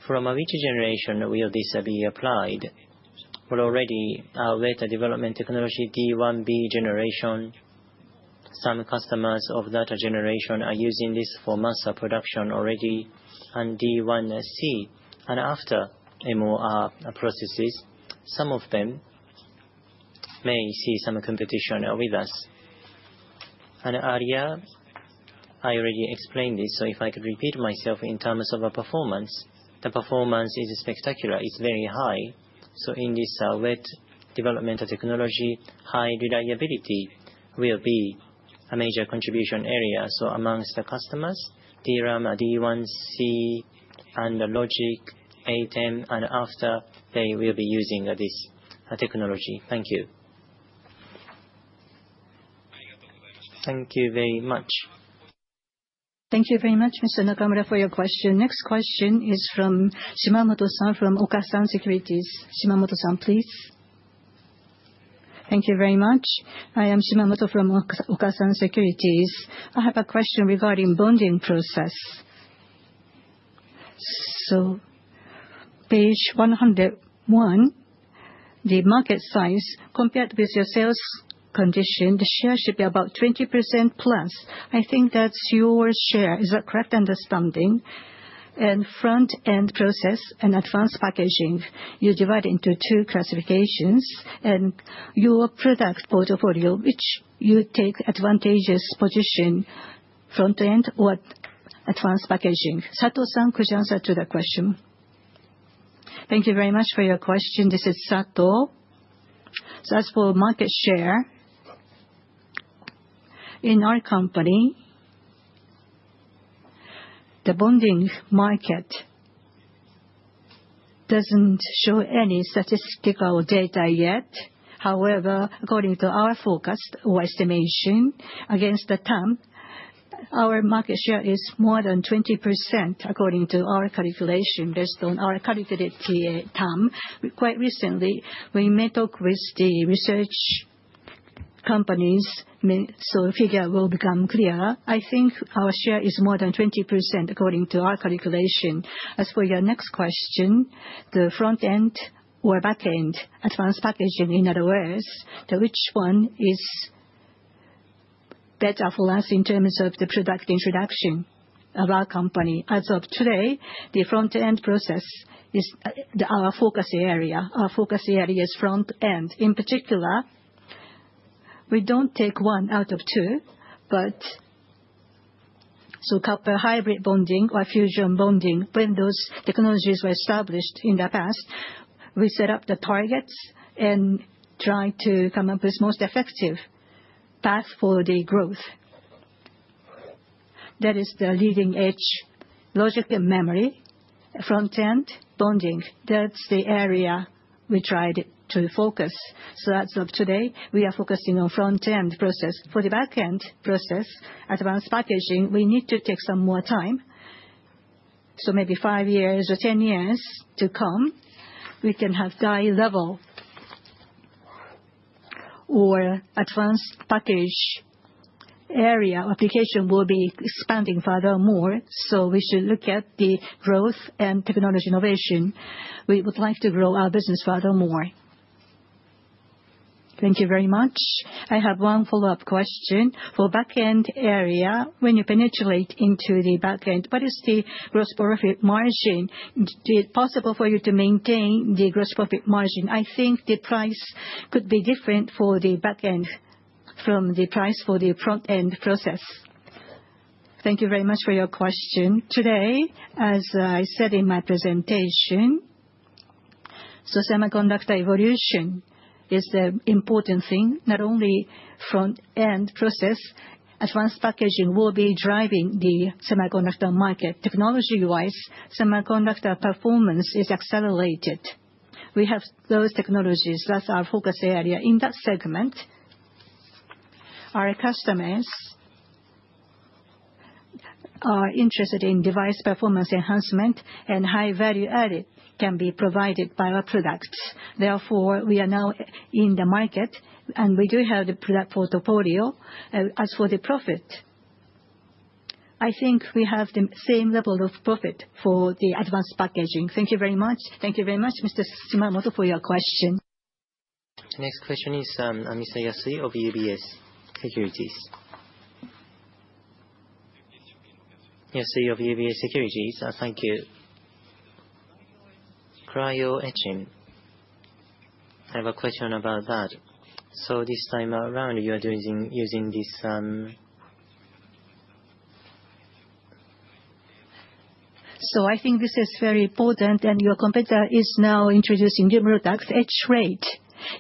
Speaker 7: from which generation will this be applied? Well, already, our way to develop technology, D1B generation. Some customers of that generation are using this for mass production already. And D1C and after MOR processes, some of them may see some competition with us. And earlier, I already explained this. So if I could repeat myself in terms of performance, the performance is spectacular. It's very high. So in this way to develop technology, high reliability will be a major contribution area. So amongst the customers, DRAM, 3D IC, and logic and then, and after, they will be using this technology. Thank you.
Speaker 14: Thank you very much.
Speaker 1: Thank you very much, Mr. Nakamura, for your question. Next question is from Shimamoto-san from Okasan Securities. Shimamoto-san, please.
Speaker 15: Thank you very much. I am Shimamoto from Okasan Securities. I have a question regarding bonding process. So, page 101, the market size compared with your sales condition, the share should be about 20% plus. I think that's your share. Is that correct understanding? And front-end process and advanced packaging, you divide into two classifications. And your product portfolio, which you take advantageous position, front-end or advanced packaging?
Speaker 1: Sato-san, could you answer to that question.
Speaker 11: Thank you very much for your question. This is Sato. So as for market share, in our company, the bonding market doesn't show any statistical data yet. However, according to our focus or estimation against the time, our market share is more than 20% according to our calculation based on our calculated time. Quite recently, we met up with the research companies, so the figure will become clear. I think our share is more than 20% according to our calculation. As for your next question, the front-end or back-end advanced packaging, in other words, which one is better for us in terms of the product introduction of our company? As of today, the front-end process is our focus area. Our focus area is front-end. In particular, we don't take one out of two, but so hybrid bonding or fusion bonding, when those technologies were established in the past, we set up the targets and try to come up with the most effective path for the growth. That is the leading edge, logic and memory, front-end bonding. That's the area we tried to focus. So as of today, we are focusing on front-end process. For the back-end process, advanced packaging, we need to take some more time, so maybe five years or ten years to come. We can have die level or advanced package area application will be expanding furthermore. So we should look at the growth and technology innovation. We would like to grow our business furthermore.
Speaker 15: Thank you very much. I have one follow-up question. For back-end area, when you penetrate into the back-end, what is the gross profit margin? Is it possible for you to maintain the gross profit margin? I think the price could be different for the back-end from the price for the front-end process.
Speaker 11: Thank you very much for your question. Today, as I said in my presentation, so semiconductor evolution is the important thing. Not only front-end process, advanced packaging will be driving the semiconductor market. Technology-wise, semiconductor performance is accelerated. We have those technologies. That's our focus area. In that segment, our customers are interested in device performance enhancement and high value added can be provided by our products. Therefore, we are now in the market, and we do have the product portfolio. As for the profit, I think we have the same level of profit for the advanced packaging.
Speaker 15: Thank you very much.
Speaker 1: Thank you very much, Mr. Shimamoto, for your question.
Speaker 3: The next question is Mr. Yasui of UBS Securities.
Speaker 16: Yasui of UBS Securities, thank you. Cryogenic etching, I have a question about that. So this time around, you are using this. So I think this is very important, and your competitor is now introducing new products. Etch rate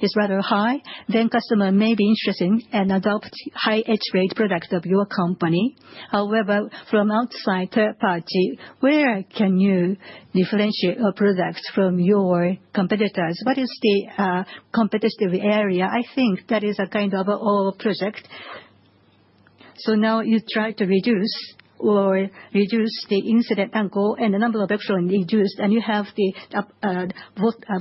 Speaker 16: is rather high. Then customers may be interested in and adopt high etch rate product of your company. However, from an outside third party, where can you differentiate a product from your competitors? What is the competitive area? I think that is a kind of all project. So now you try to reduce the incident angle and the number of electrons induced, and you have the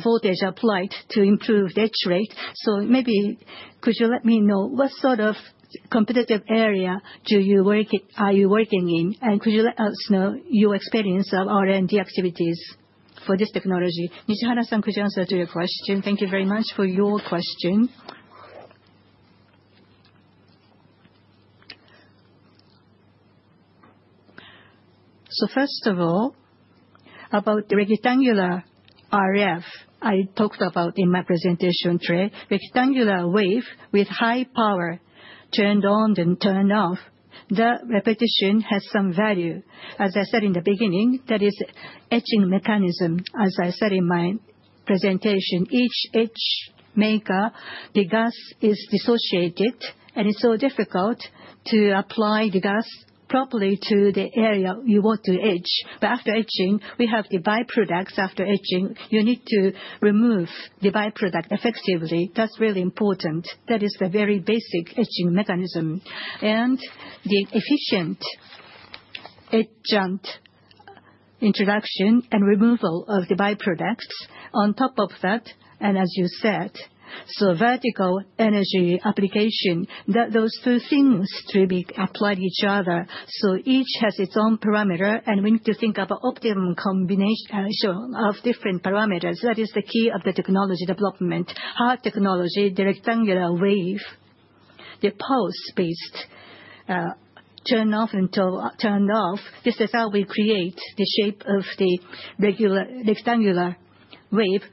Speaker 16: voltage applied to improve the etch rate. So maybe could you let me know what sort of competitive area are you working in? And could you let us know your experience of R&D activities for this topic?
Speaker 1: Mr. Nishihara, could you answer to your question?
Speaker 8: Thank you very much for your question, so first of all, about the rectangular RF I talked about in my presentation today. Rectangular wave with high power turned on and turned off. The repetition has some value. As I said in the beginning, that is etching mechanism. As I said in my presentation, each etch chamber, the gas is dissociated, and it's so difficult to apply the gas properly to the area you want to etch. But after etching, we have the byproducts. After etching, you need to remove the byproduct effectively. That's really important. That is the very basic etching mechanism, and the efficient etchant introduction and removal of the byproducts on top of that, and as you said, so vertical energy application, those two things to be applied to each other. So each has its own parameter, and we need to think of an optimum combination of different parameters. That is the key of the technology development. HAR technology, the rectangular wave, the pulse-based turn-on and turn-off. This is how we create the shape of the rectangular wave.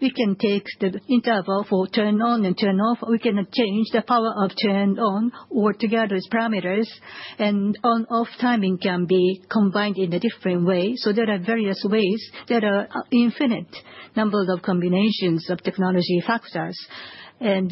Speaker 8: We can take the interval for turn-on and turn-off. We can change the power of turn-on or turn-off together as parameters, and on-off timing can be combined in a different way. So there are various ways. There are infinite numbers of combinations of technology factors, and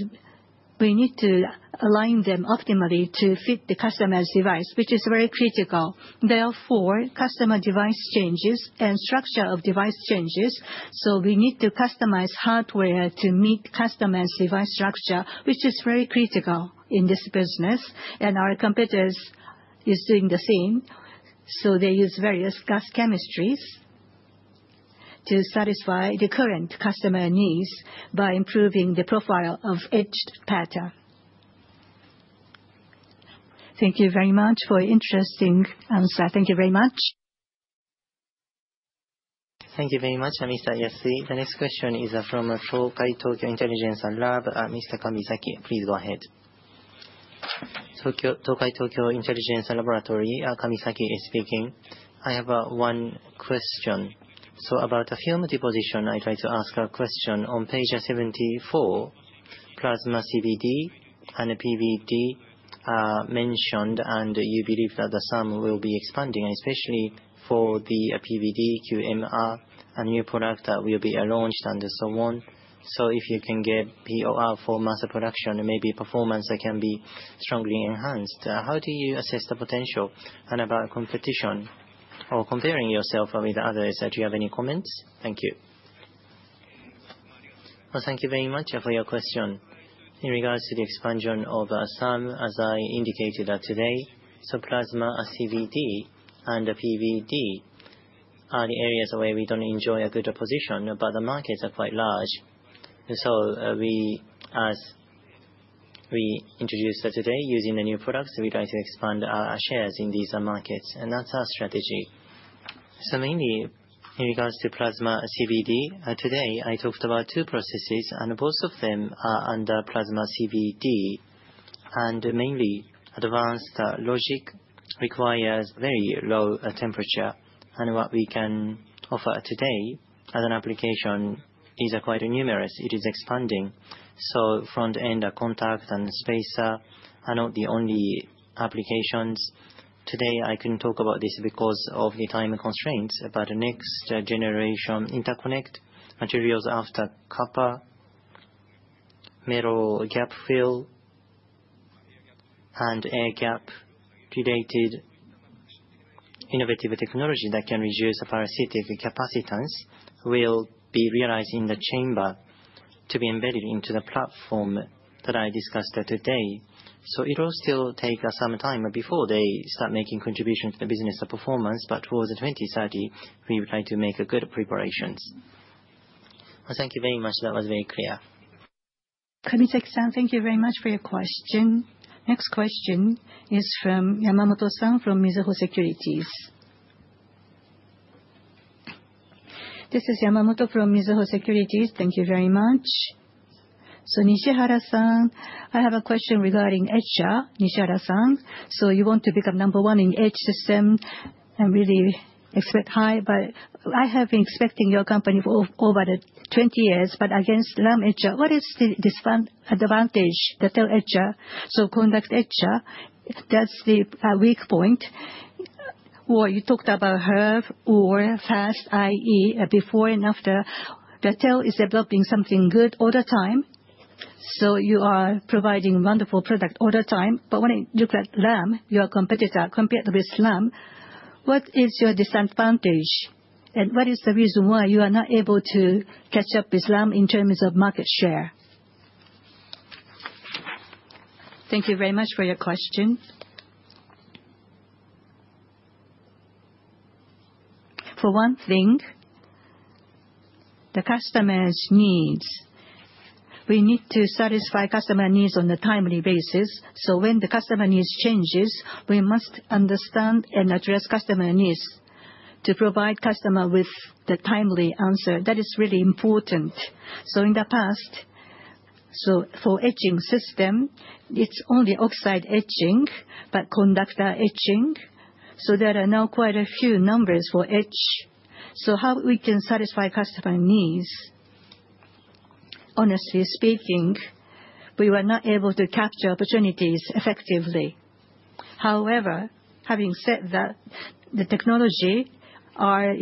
Speaker 8: we need to align them optimally to fit the customer's device, which is very critical. Therefore, customer device changes and structure of device changes. So we need to customize hardware to meet customer's device structure, which is very critical in this business. And our competitors are doing the same. So they use various gas chemistries to satisfy the current customer needs by improving the profile of etched pattern.
Speaker 16: Thank you very much for your interesting answer.
Speaker 1: Thank you very much.
Speaker 3: Thank you very much, Mr. Yasui. The next question is from Tokai Tokyo Intelligence Lab, Mr. Kamizaki. Please go ahead.
Speaker 17: Tokai Tokyo Intelligence Laboratory, Kamizaki is speaking. I have one question. So about the film deposition, I'd like to ask a question. On page 74, plasma CVD and PVD are mentioned, and you believe that the sum will be expanding, especially for the PVD, QMR, a new product that will be launched and so on. So if you can get POR for mass production, maybe performance can be strongly enhanced. How do you assess the potential? And about competition or comparing yourself with others, do you have any comments? Thank you.
Speaker 4: Well, thank you very much for your question. In regard to the expansion of CVD, as I indicated today, so plasma CVD and PVD are the areas where we don't enjoy a good position, but the markets are quite large. So as we introduced today, using the new products, we'd like to expand our shares in these markets. And that's our strategy. So mainly, in regard to plasma CVD, today I talked about two processes, and both of them are under plasma CVD. And mainly, advanced logic requires very low temperature. And what we can offer today as an application is quite numerous. It is expanding. So front-end contact and spacer are not the only applications. Today, I couldn't talk about this because of the time constraints, but next generation interconnect materials after copper, metal gap fill, and air gap provide innovative technology that can reduce parasitic capacitance. This will be realized in the chamber to be embedded into the platform that I discussed today. So it will still take some time before they start making contributions to the business performance, but towards 2030, we would like to make good preparations.
Speaker 17: Thank you very much. That was very clear.
Speaker 1: Kamisaki-san, thank you very much for your question. Next question is from Yamamoto-san from Mizuho Securities.
Speaker 18: This is Yamamoto from Mizuho Securities. Thank you very much. So Nishihara-san, I have a question regarding etcher, Nishihara-san. So you want to become number one in etch systems and really expect high, but I have been expecting your company for over 20 years, but against Lam etcher, what is the disadvantage? The TEL etcher, so conductor etcher, that's the weak point. Or you talked about HAR or PHastIE before and after. TEL is developing something good all the time. So you are providing wonderful products all the time. But when you look at Lam, your competitor, compared with Lam, what is your disadvantage? And what is the reason why you are not able to catch up with Lam in terms of market share?
Speaker 8: Thank you very much for your question. For one thing, the customer's needs. We need to satisfy customer needs on a timely basis. So when the customer needs change, we must understand and address customer needs to provide customers with the timely answer. That is really important. So in the past, for etching system, it's only oxide etching, but conductor etching. So there are now quite a few numbers for etch. So how we can satisfy customer needs? Honestly speaking, we were not able to capture opportunities effectively. However, having said that, the technology is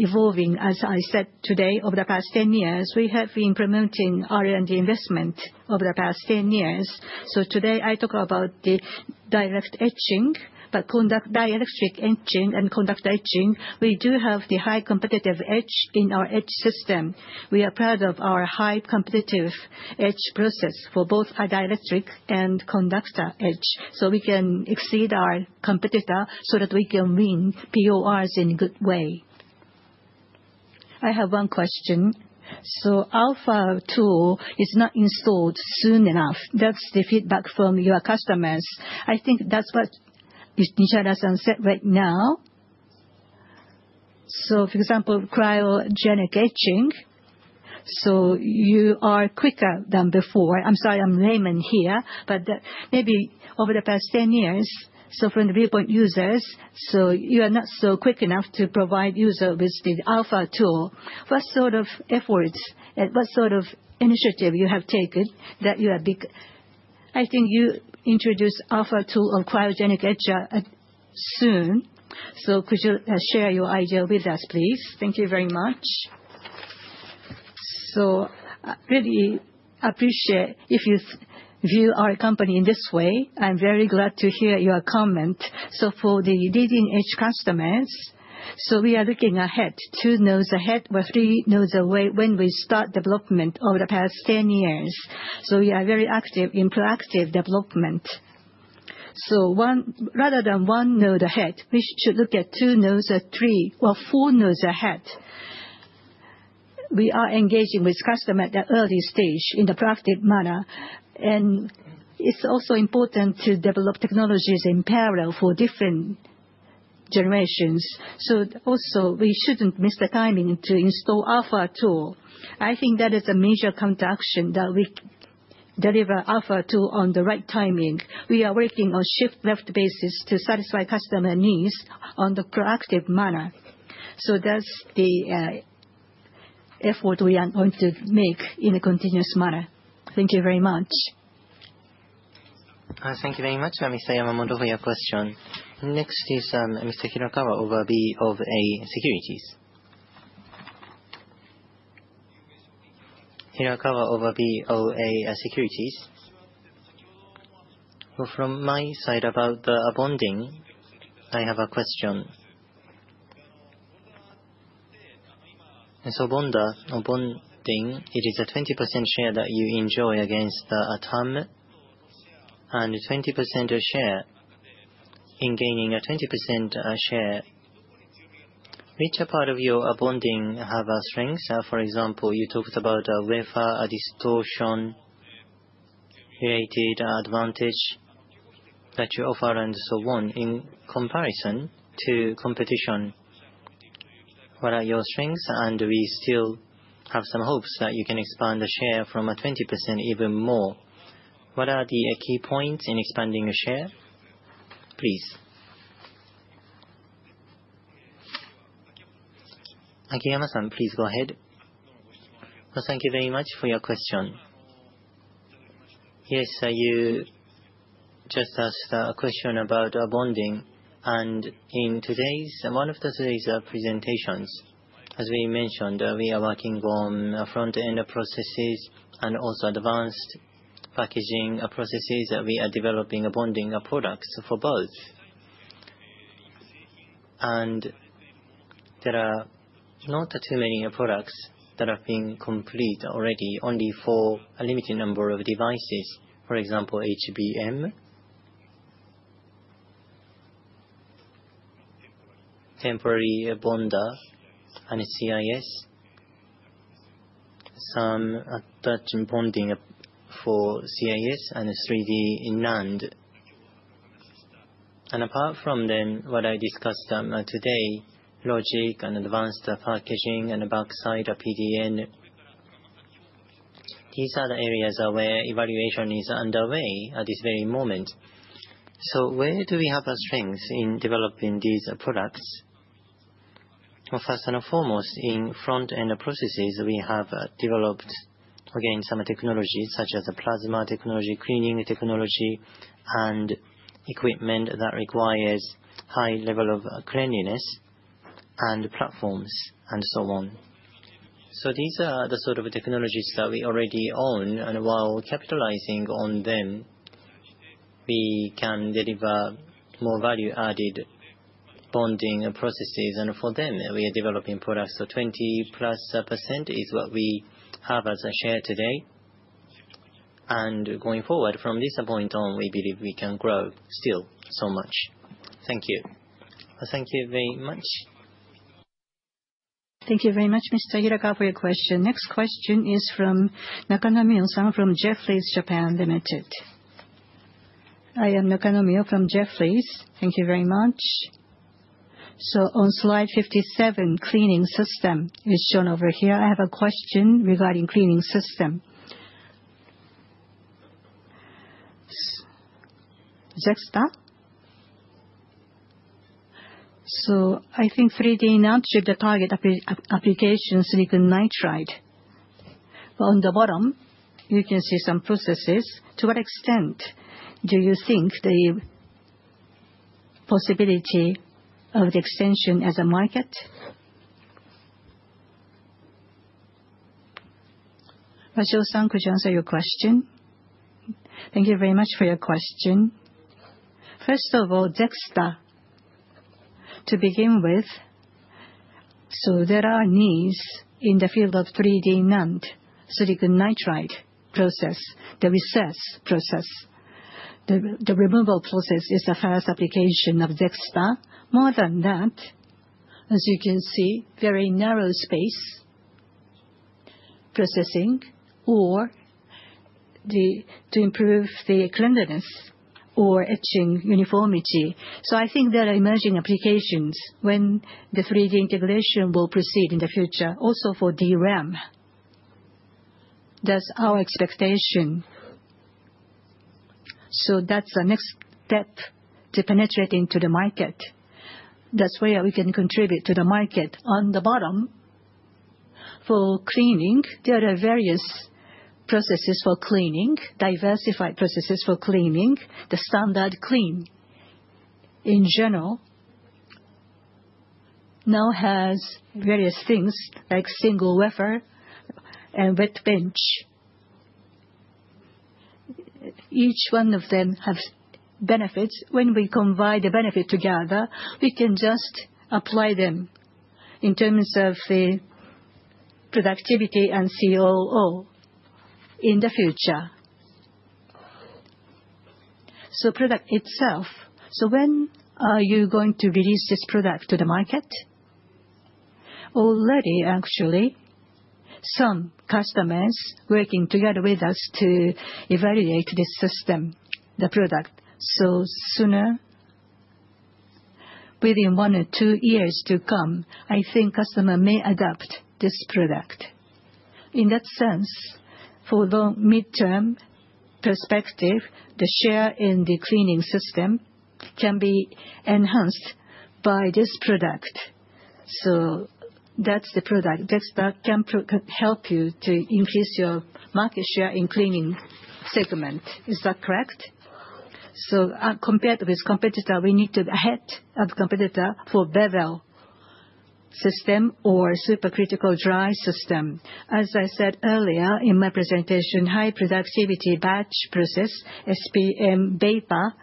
Speaker 8: evolving, as I said today, over the past 10 years. We have been promoting R&D investment over the past 10 years. So today, I talk about the direct etching, but dielectric etching and conductor etching. We do have the high competitive edge in our etch system. We are proud of our high competitive etch process for both dielectric and conductor etch. So we can exceed our competitor so that we can win PORs in a good way.
Speaker 18: I have one question. So Alpha tool is not installed soon enough. That's the feedback from your customers.
Speaker 16: I think that's what Nishihara-san said right now. So, for example, cryogenic etching. So you are quicker than before. I'm sorry, I'm a layman here, but maybe over the past 10 years, so from the viewpoint of users, so you are not so quick enough to provide users with the Alpha tool. What sort of efforts and what sort of initiative have you taken that you have? I think you introduced Alpha tool or cryogenic etcher soon. So could you share your idea with us, please?
Speaker 8: Thank you very much. So I really appreciate if you view our company in this way. I'm very glad to hear your comment. So for the leading-edge customers, we are looking ahead, two nodes ahead, or three nodes away when we start development over the past 10 years. So we are very active in proactive development. So rather than one node ahead, we should look at two nodes or three or four nodes ahead. We are engaging with customers at the early stage in a proactive manner. And it's also important to develop technologies in parallel for different generations. So also, we shouldn't miss the timing to install Alpha tool. I think that is a major counteraction that we deliver Alpha tool on the right timing. We are working on shift-left basis to satisfy customer needs in a proactive manner. So that's the effort we are going to make in a continuous manner.
Speaker 18: Thank you very much.
Speaker 3: Thank you very much. Mr. Yamamoto, for your question. Next is Mr. Hirakawa of Bank of America Securities.
Speaker 19: Hirakawa of Bank of America Securities. From my side about the bonding, I have a question. So, bonding, it is a 20% share that you enjoy against the term, and 20% share in gaining a 20% share. Which part of your bonding have a strength? For example, you talked about wafer distortion-related advantage that you offer and so on in comparison to competition. What are your strengths? And we still have some hopes that you can expand the share from 20% even more. What are the key points in expanding your share? Please.
Speaker 3: Akiyama-san, please go ahead.
Speaker 10: Well, thank you very much for your question. Yes, you just asked a question about bonding. And in one of today's presentations, as we mentioned, we are working on front-end processes and also advanced packaging processes. We are developing bonding products for both. And there are not too many products that have been completed already, only for a limited number of devices. For example, HBM, temporary bonder, and CIS. Some hybrid bonding for CIS and 3D NAND. Apart from them, what I discussed today, logic and advanced packaging and backside PDN, these are the areas where evaluation is underway at this very moment. Where do we have a strength in developing these products? First and foremost, in front-end processes, we have developed, again, some technologies such as plasma technology, cleaning technology, and equipment that requires a high level of cleanliness and platforms and so on. These are the sort of technologies that we already own. While capitalizing on them, we can deliver more value-added bonding processes. For them, we are developing products. 20+% is what we have as a share today. Going forward, from this point on, we believe we can grow still so much. Thank you.
Speaker 19: Thank you very much.
Speaker 1: Thank you very much, Mr. Hirakawa, for your question.
Speaker 3: Next question is from Masahiro Nakanomyo-san from Jefferies Japan Limited.
Speaker 20: I am Masahiro Nakanomyo from Jefferies. Thank you very much, so on slide 57, cleaning system is shown over here. I have a question regarding cleaning system. So I think 3D NAND chip target applications Silicon Nitride. On the bottom, you can see some processes. To what extent do you think the possibility of the extension as a market?
Speaker 1: Yasuhiro-san, could you answer thequestion?
Speaker 7: Thank you very much for your question. First of all, Cellesta, to begin with, so there are needs in the field of 3D NAND Silicon Nitride process, the recess process. The removal process is the first application of Cellesta. More than that, as you can see, very narrow space processing or to improve the cleanliness or etching uniformity. I think there are emerging applications when the 3D integration will proceed in the future, also for DRAM. That's our expectation. That's the next step to penetrate into the market. That's where we can contribute to the market. On the bottom, for cleaning, there are various processes for cleaning, diversified processes for cleaning. The standard clean, in general, now has various things like single wafer and wet bench. Each one of them has benefits. When we combine the benefits together, we can just apply them in terms of the productivity and COO in the future. So product itself, so when are you going to release this product to the market? Already, actually, some customers are working together with us to evaluate this system, the product. So sooner, within one or two years to come, I think customers may adopt this product. In that sense, for the long midterm perspective, the share in the cleaning system can be enhanced by this product. So that's the product. [Cellesta] can help you to increase your market share in cleaning segment. Is that correct? So compared with competitor, we need to be ahead of competitor for bevel system or supercritical dry system. As I said earlier in my presentation, high productivity batch process, SPM, vapor.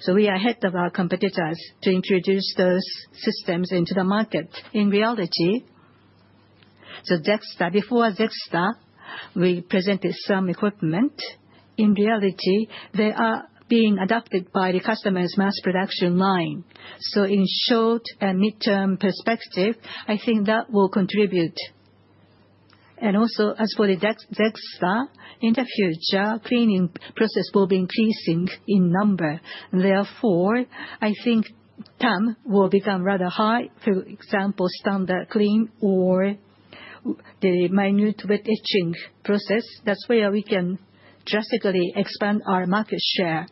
Speaker 7: So we are ahead of our competitors to introduce those systems into the market. In reality, so [Cellesta] before [Cellesta], we presented some equipment. In reality, they are being adopted by the customer's mass production line. So in short and midterm perspective, I think that will contribute. And also, as for the [Cellesta], in the future, cleaning processes will be increasing in number. Therefore, I think TAM will become rather high, for example, standard clean or the minute wet etching process. That's where we can drastically expand our market share.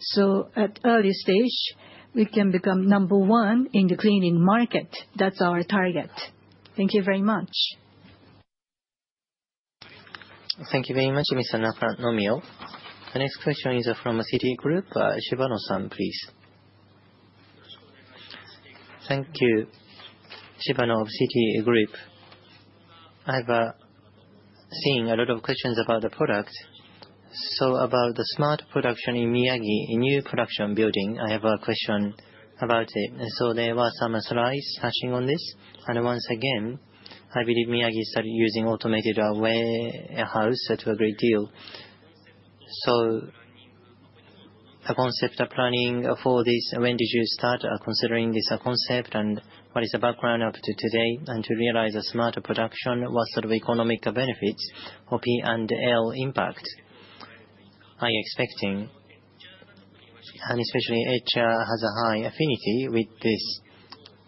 Speaker 7: So at early stage, we can become number one in the cleaning market. That's our target.
Speaker 20: Thank you very much.
Speaker 3: Thank you very much, Mr. Nakanomyo. The next question is from Citigroup, Shibano-san, please.
Speaker 21: Thank you, Shibano of Citigroup. I have seen a lot of questions about the product. So about the smart production in Miyagi, a new production building, I have a question about it. So there were some slides touching on this. And once again, I believe Miyagi started using automated warehouse to a great degree. So a concept of planning for this, when did you start considering this concept and what is the background up to today? To realize a smart production, what sort of economic benefits or P&L impact are you expecting? Especially, HR has a high affinity with this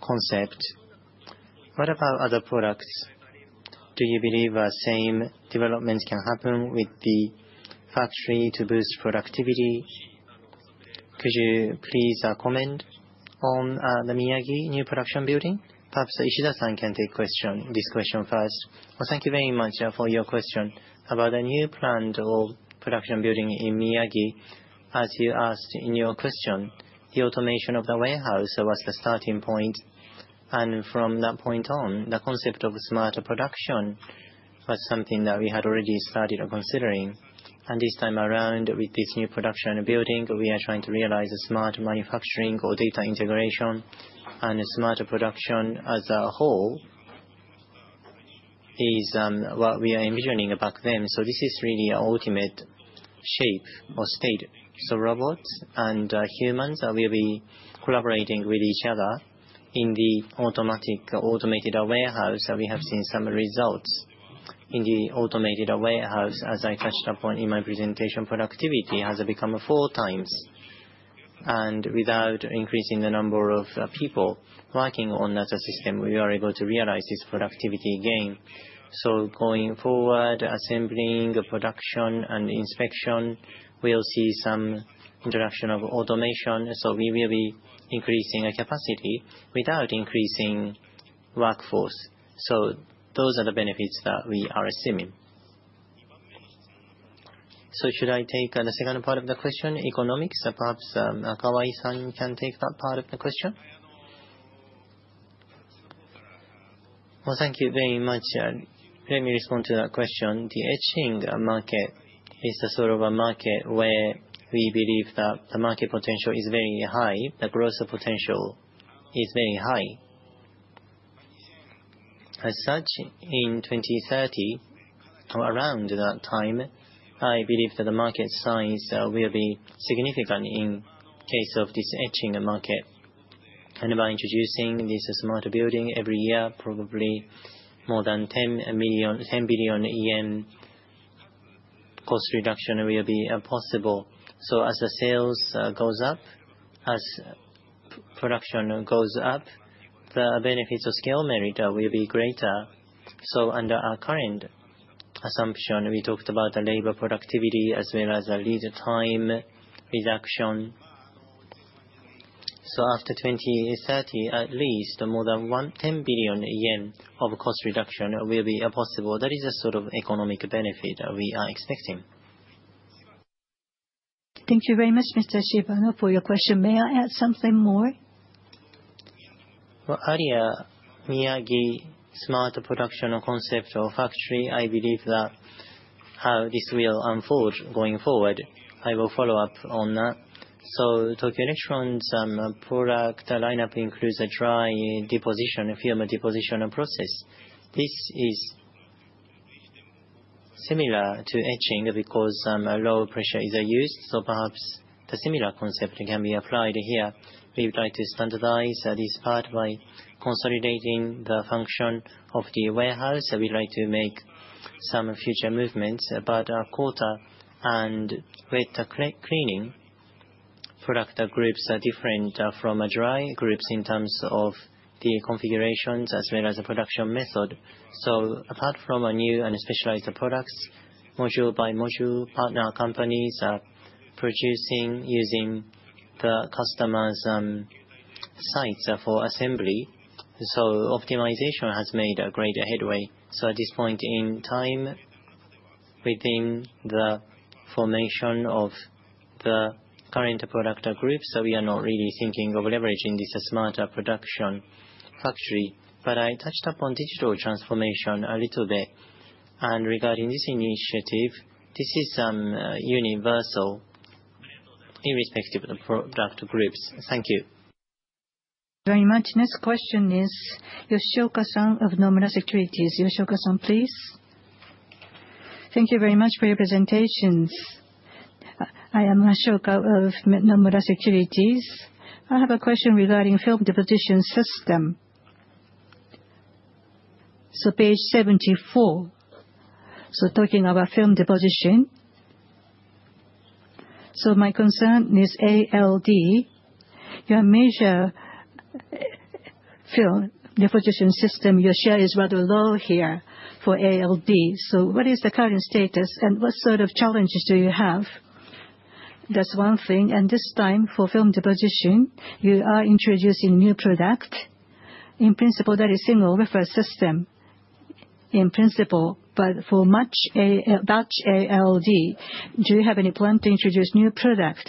Speaker 21: concept. What about other products? Do you believe the same developments can happen with the factory to boost productivity? Could you please comment on the Miyagi new production building?
Speaker 3: Perhaps Ishida-san can take this question first.
Speaker 5: Thank you very much for your question about the new planned production building in Miyagi. As you asked in your question, the automation of the warehouse was the starting point. From that point on, the concept of smart production was something that we had already started considering. This time around, with this new production building, we are trying to realize a smart manufacturing or data integration. Smart production as a whole is what we are envisioning back then. So this is really an ultimate shape or state. So robots and humans will be collaborating with each other in the automatic automated warehouse. We have seen some results in the automated warehouse, as I touched upon in my presentation. Productivity has become four times. And without increasing the number of people working on that system, we were able to realize this productivity gain. So going forward, assembling, production, and inspection, we'll see some introduction of automation. So we will be increasing capacity without increasing workforce. So those are the benefits that we are assuming. So should I take the second part of the question, economics? Perhaps Kawai-san can take that part of the question.
Speaker 2: Well, thank you very much. Let me respond to that question. The etching market is the sort of a market where we believe that the market potential is very high. The growth potential is very high. As such, in 2030, around that time, I believe that the market size will be significant in case of this etching market, and by introducing this smart building every year, probably more than 10 billion yen cost reduction will be possible, so as the sales go up, as production goes up, the benefits of scale merit will be greater, so under our current assumption, we talked about the labor productivity as well as the lead time reduction, so after 2030, at least more than 10 billion yen of cost reduction will be possible. That is the sort of economic benefit we are expecting.
Speaker 1: Thank you very much, Mr. Shibano, for your question. May I add something more? Well, earlier, Miyagi smart production concept or factory. I believe that how this will unfold going forward, I will follow up on that. Tokyo Electron's product lineup includes a dry deposition, film deposition process. This is similar to etching because low pressure is used. So perhaps the similar concept can be applied here. We would like to standardize this part by consolidating the function of the warehouse. We'd like to make some future movements. But coater and wet cleaning product groups are different from dry groups in terms of the configurations as well as the production method. So apart from new and specialized products, module by module, partner companies are producing using the customer's sites for assembly. So optimization has made a great headway. So at this point in time, within the formation of the current product groups, we are not really thinking of leveraging this smart production factory. But I touched upon digital transformation a little bit. And regarding this initiative, this is universal irrespective of the product groups. Thank you.
Speaker 21: Thank you very much.
Speaker 1: Next question is Tetsuya Yoshioka of Nomura Securities. Tetsuya Yoshioka, please.
Speaker 22: Thank you very much for your presentations. I am Tetsuya of Nomura Securities. I have a question regarding film deposition system. So page 74. So talking about film deposition. So my concern is ALD. Your measure film deposition system, your share is rather low here for ALD. So what is the current status and what sort of challenges do you have? That's one thing. And this time for film deposition, you are introducing new product. In principle, that is single wafer system in principle, but for batch ALD, do you have any plan to introduce new product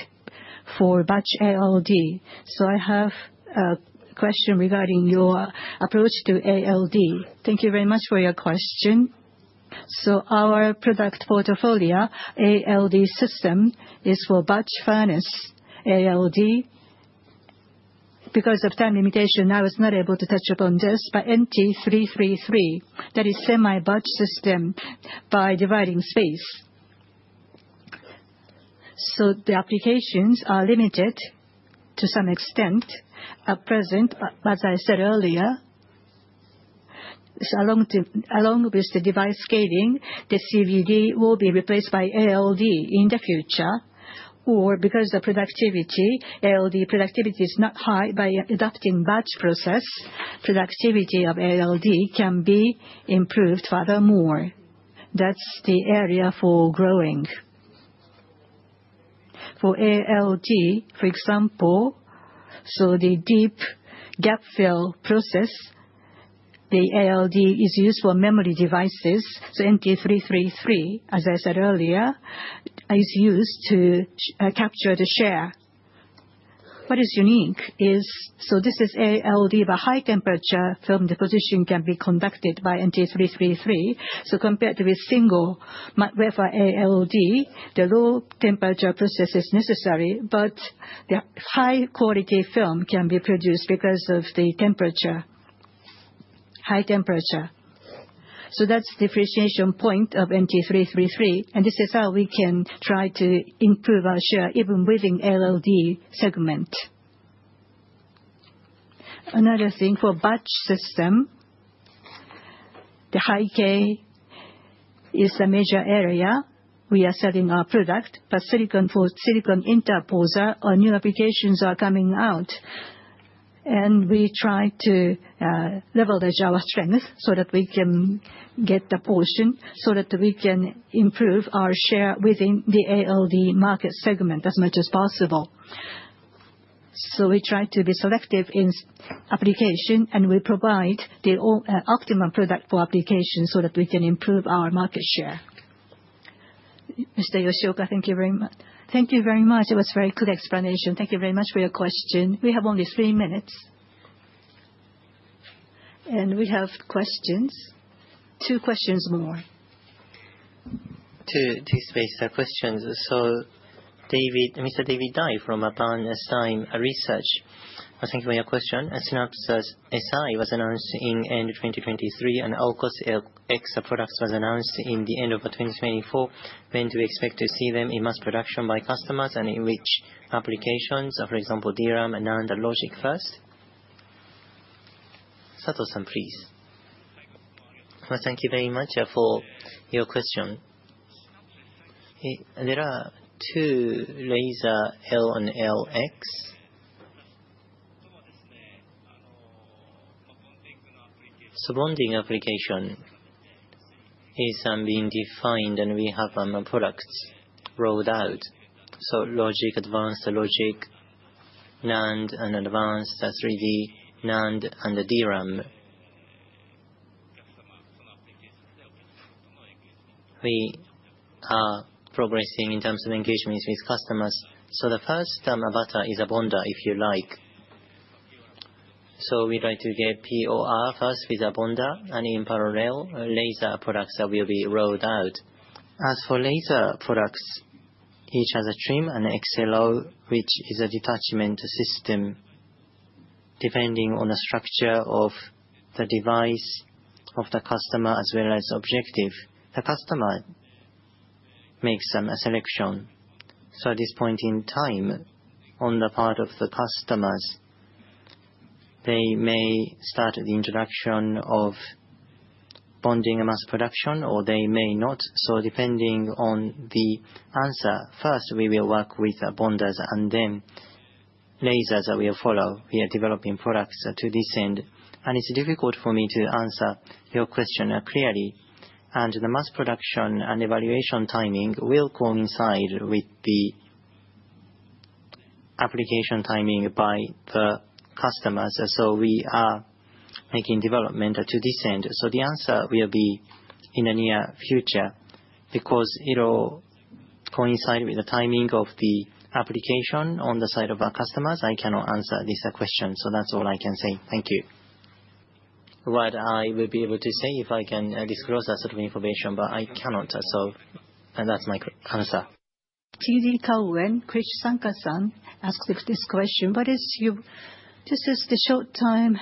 Speaker 22: for batch ALD? So I have a question regarding your approach to ALD.
Speaker 1: Thank you very much for your question. So our product portfolio, ALD system, is for batch furnace ALD. Because of time limitation, I was not able to touch upon this, but NT333, that is semi-batch system by dividing space, so the applications are limited to some extent at present, as I said earlier. Along with the device scaling, the CVD will be replaced by ALD in the future, or because of productivity, ALD productivity is not high, by adopting batch process, productivity of ALD can be improved furthermore. That's the area for growing. For ALD, for example, so the deep gap fill process, the ALD is used for memory devices, so NT333, as I said earlier, is used to capture the share. What is unique is, so this is ALD, but high temperature film deposition can be conducted by NT333, so compared with single wafer ALD, the low temperature process is necessary, but the high quality film can be produced because of the temperature, high temperature. So that's the differentiation point of NT333. And this is how we can try to improve our share even within ALD segment. Another thing for batch system, the high K is the major area we are selling our product, but silicon for silicon interposer, new applications are coming out. And we try to leverage our strength so that we can get the portion so that we can improve our share within the ALD market segment as much as possible. So we try to be selective in application, and we provide the optimum product for application so that we can improve our market share. Mr. Yoshioka, thank you very much.
Speaker 22: Thank you very much. It was a very good explanation.
Speaker 1: Thank you very much for your question. We have only three minutes. And we have questions. Two questions more.
Speaker 3: To take space, questions. So Mr. David Dai from Bernstein Research.
Speaker 23: Thank you for your question. Synapse Si was announced in end of 2023, and Ulucus products were announced in the end of 2024. When do we expect to see them in mass production by customers and in which applications? For example, DRAM and NAND and logic first.
Speaker 3: Sato-san, please.
Speaker 11: Thank you very much for your question. There are two Ulucus L and LX. Bonding application is being defined, and we have products rolled out. So logic, advanced logic, NAND and advanced 3D NAND and DRAM. We are progressing in terms of engagements with customers. So the first batter is a bonder, if you like. So we'd like to get POR first with a bonder, and in parallel, laser products will be rolled out. As for laser products, each has a trim and XLO, which is a detachment system, depending on the structure of the device of the customer as well as objective. The customer makes a selection, so at this point in time, on the part of the customers, they may start the introduction of bonding mass production, or they may not. So depending on the answer, first, we will work with bonders, and then lasers will follow. We are developing products to that end, and it's difficult for me to answer your question clearly. And the mass production and evaluation timing will coincide with the application timing by the customers, so we are making development to that end. The answer will be in the near future because it will coincide with the timing of the application on the side of our customers. I cannot answer this question, so that's all I can say.
Speaker 23: Thank you.
Speaker 11: What I will be able to say if I can disclose that sort of information, but I cannot. So that's my answer.
Speaker 1: TD Cowen, Krish Sankar asked this question. This is the short-term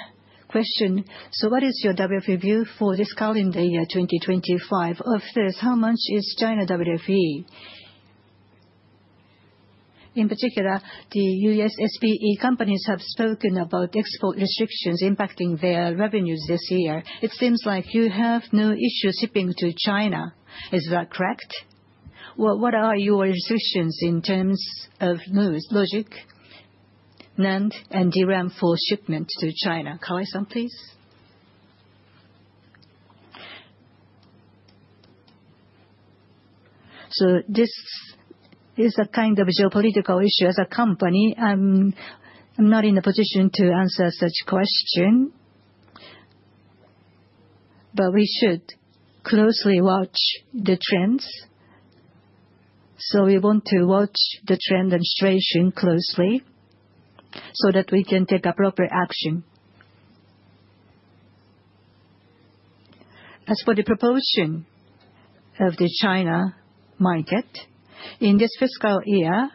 Speaker 1: question. So what is your WFE view for this calendar year 2025? Of this, how much is China WFE? In particular, the U.S. SPE companies have spoken about export restrictions impacting their revenues this year. It seems like you have no issue shipping to China. Is that correct? What are your restrictions in terms of logic, NAND, and DRAM for shipment to China? Kawai-san, please.
Speaker 2: So this is a kind of geopolitical issue as a company. I'm not in a position to answer such question, but we should closely watch the trends. So we want to watch the trend and situation closely so that we can take appropriate action. As for the proportion of the China market, in this fiscal year,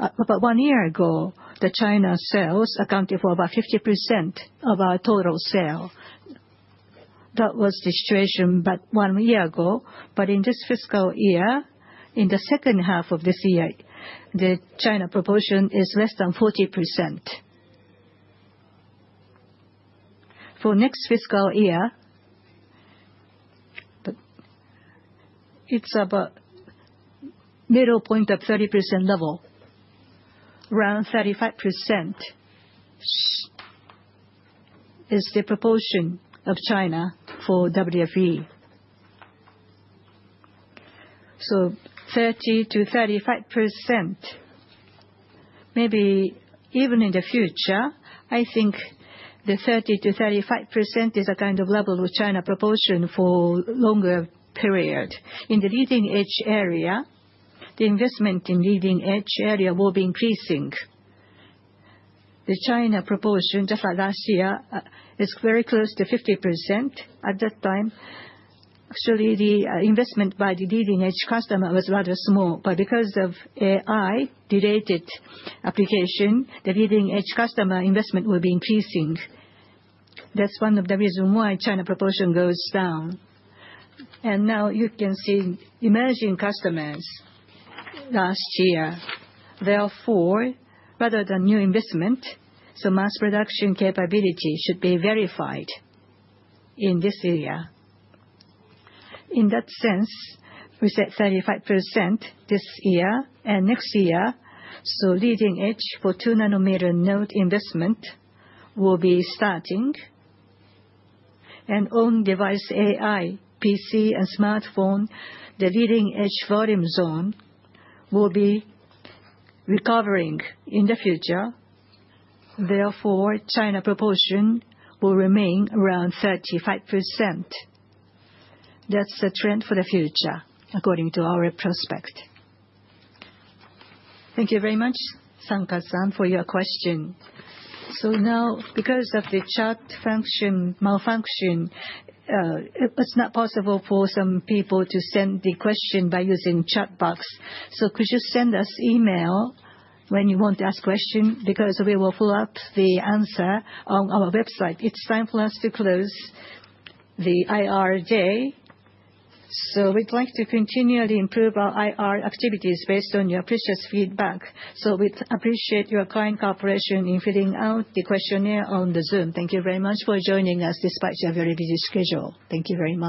Speaker 2: about one year ago, the China sales accounted for about 50% of our total sale. That was the situation one year ago. But in this fiscal year, in the second half of this year, the China proportion is less than 40%. For next fiscal year, it's about middle point of 30% level. Around 35% is the proportion of China for WFE. So 30%-35%, maybe even in the future, I think the 30%-35% is a kind of level with China proportion for a longer period. In the leading edge area, the investment in leading edge area will be increasing. The China proportion, just like last year, is very close to 50% at that time. Actually, the investment by the leading edge customer was rather small. But because of AI-related application, the leading edge customer investment will be increasing. That's one of the reasons why China proportion goes down. And now you can see emerging customers last year. Therefore, rather than new investment, mass production capability should be verified in this year. In that sense, we said 35% this year and next year. So leading edge for 2 nanometer node investment will be starting. And own device AI, PC, and smartphone, the leading edge volume zone will be recovering in the future. Therefore, China proportion will remain around 35%. That's the trend for the future, according to our prospect.
Speaker 1: Thank you very much, Sankar-san, for your question. So now, because of the chat malfunction, it's not possible for some people to send the question by using chat box. So could you send us an email when you want to ask a question? Because we will pull up the answer on our website. It's time for us to close the IR day. So we'd like to continually improve our IR activities based on your precious feedback. So we'd appreciate your kind cooperation in filling out the questionnaire on the Zoom. Thank you very much for joining us despite your very busy schedule. Thank you very much.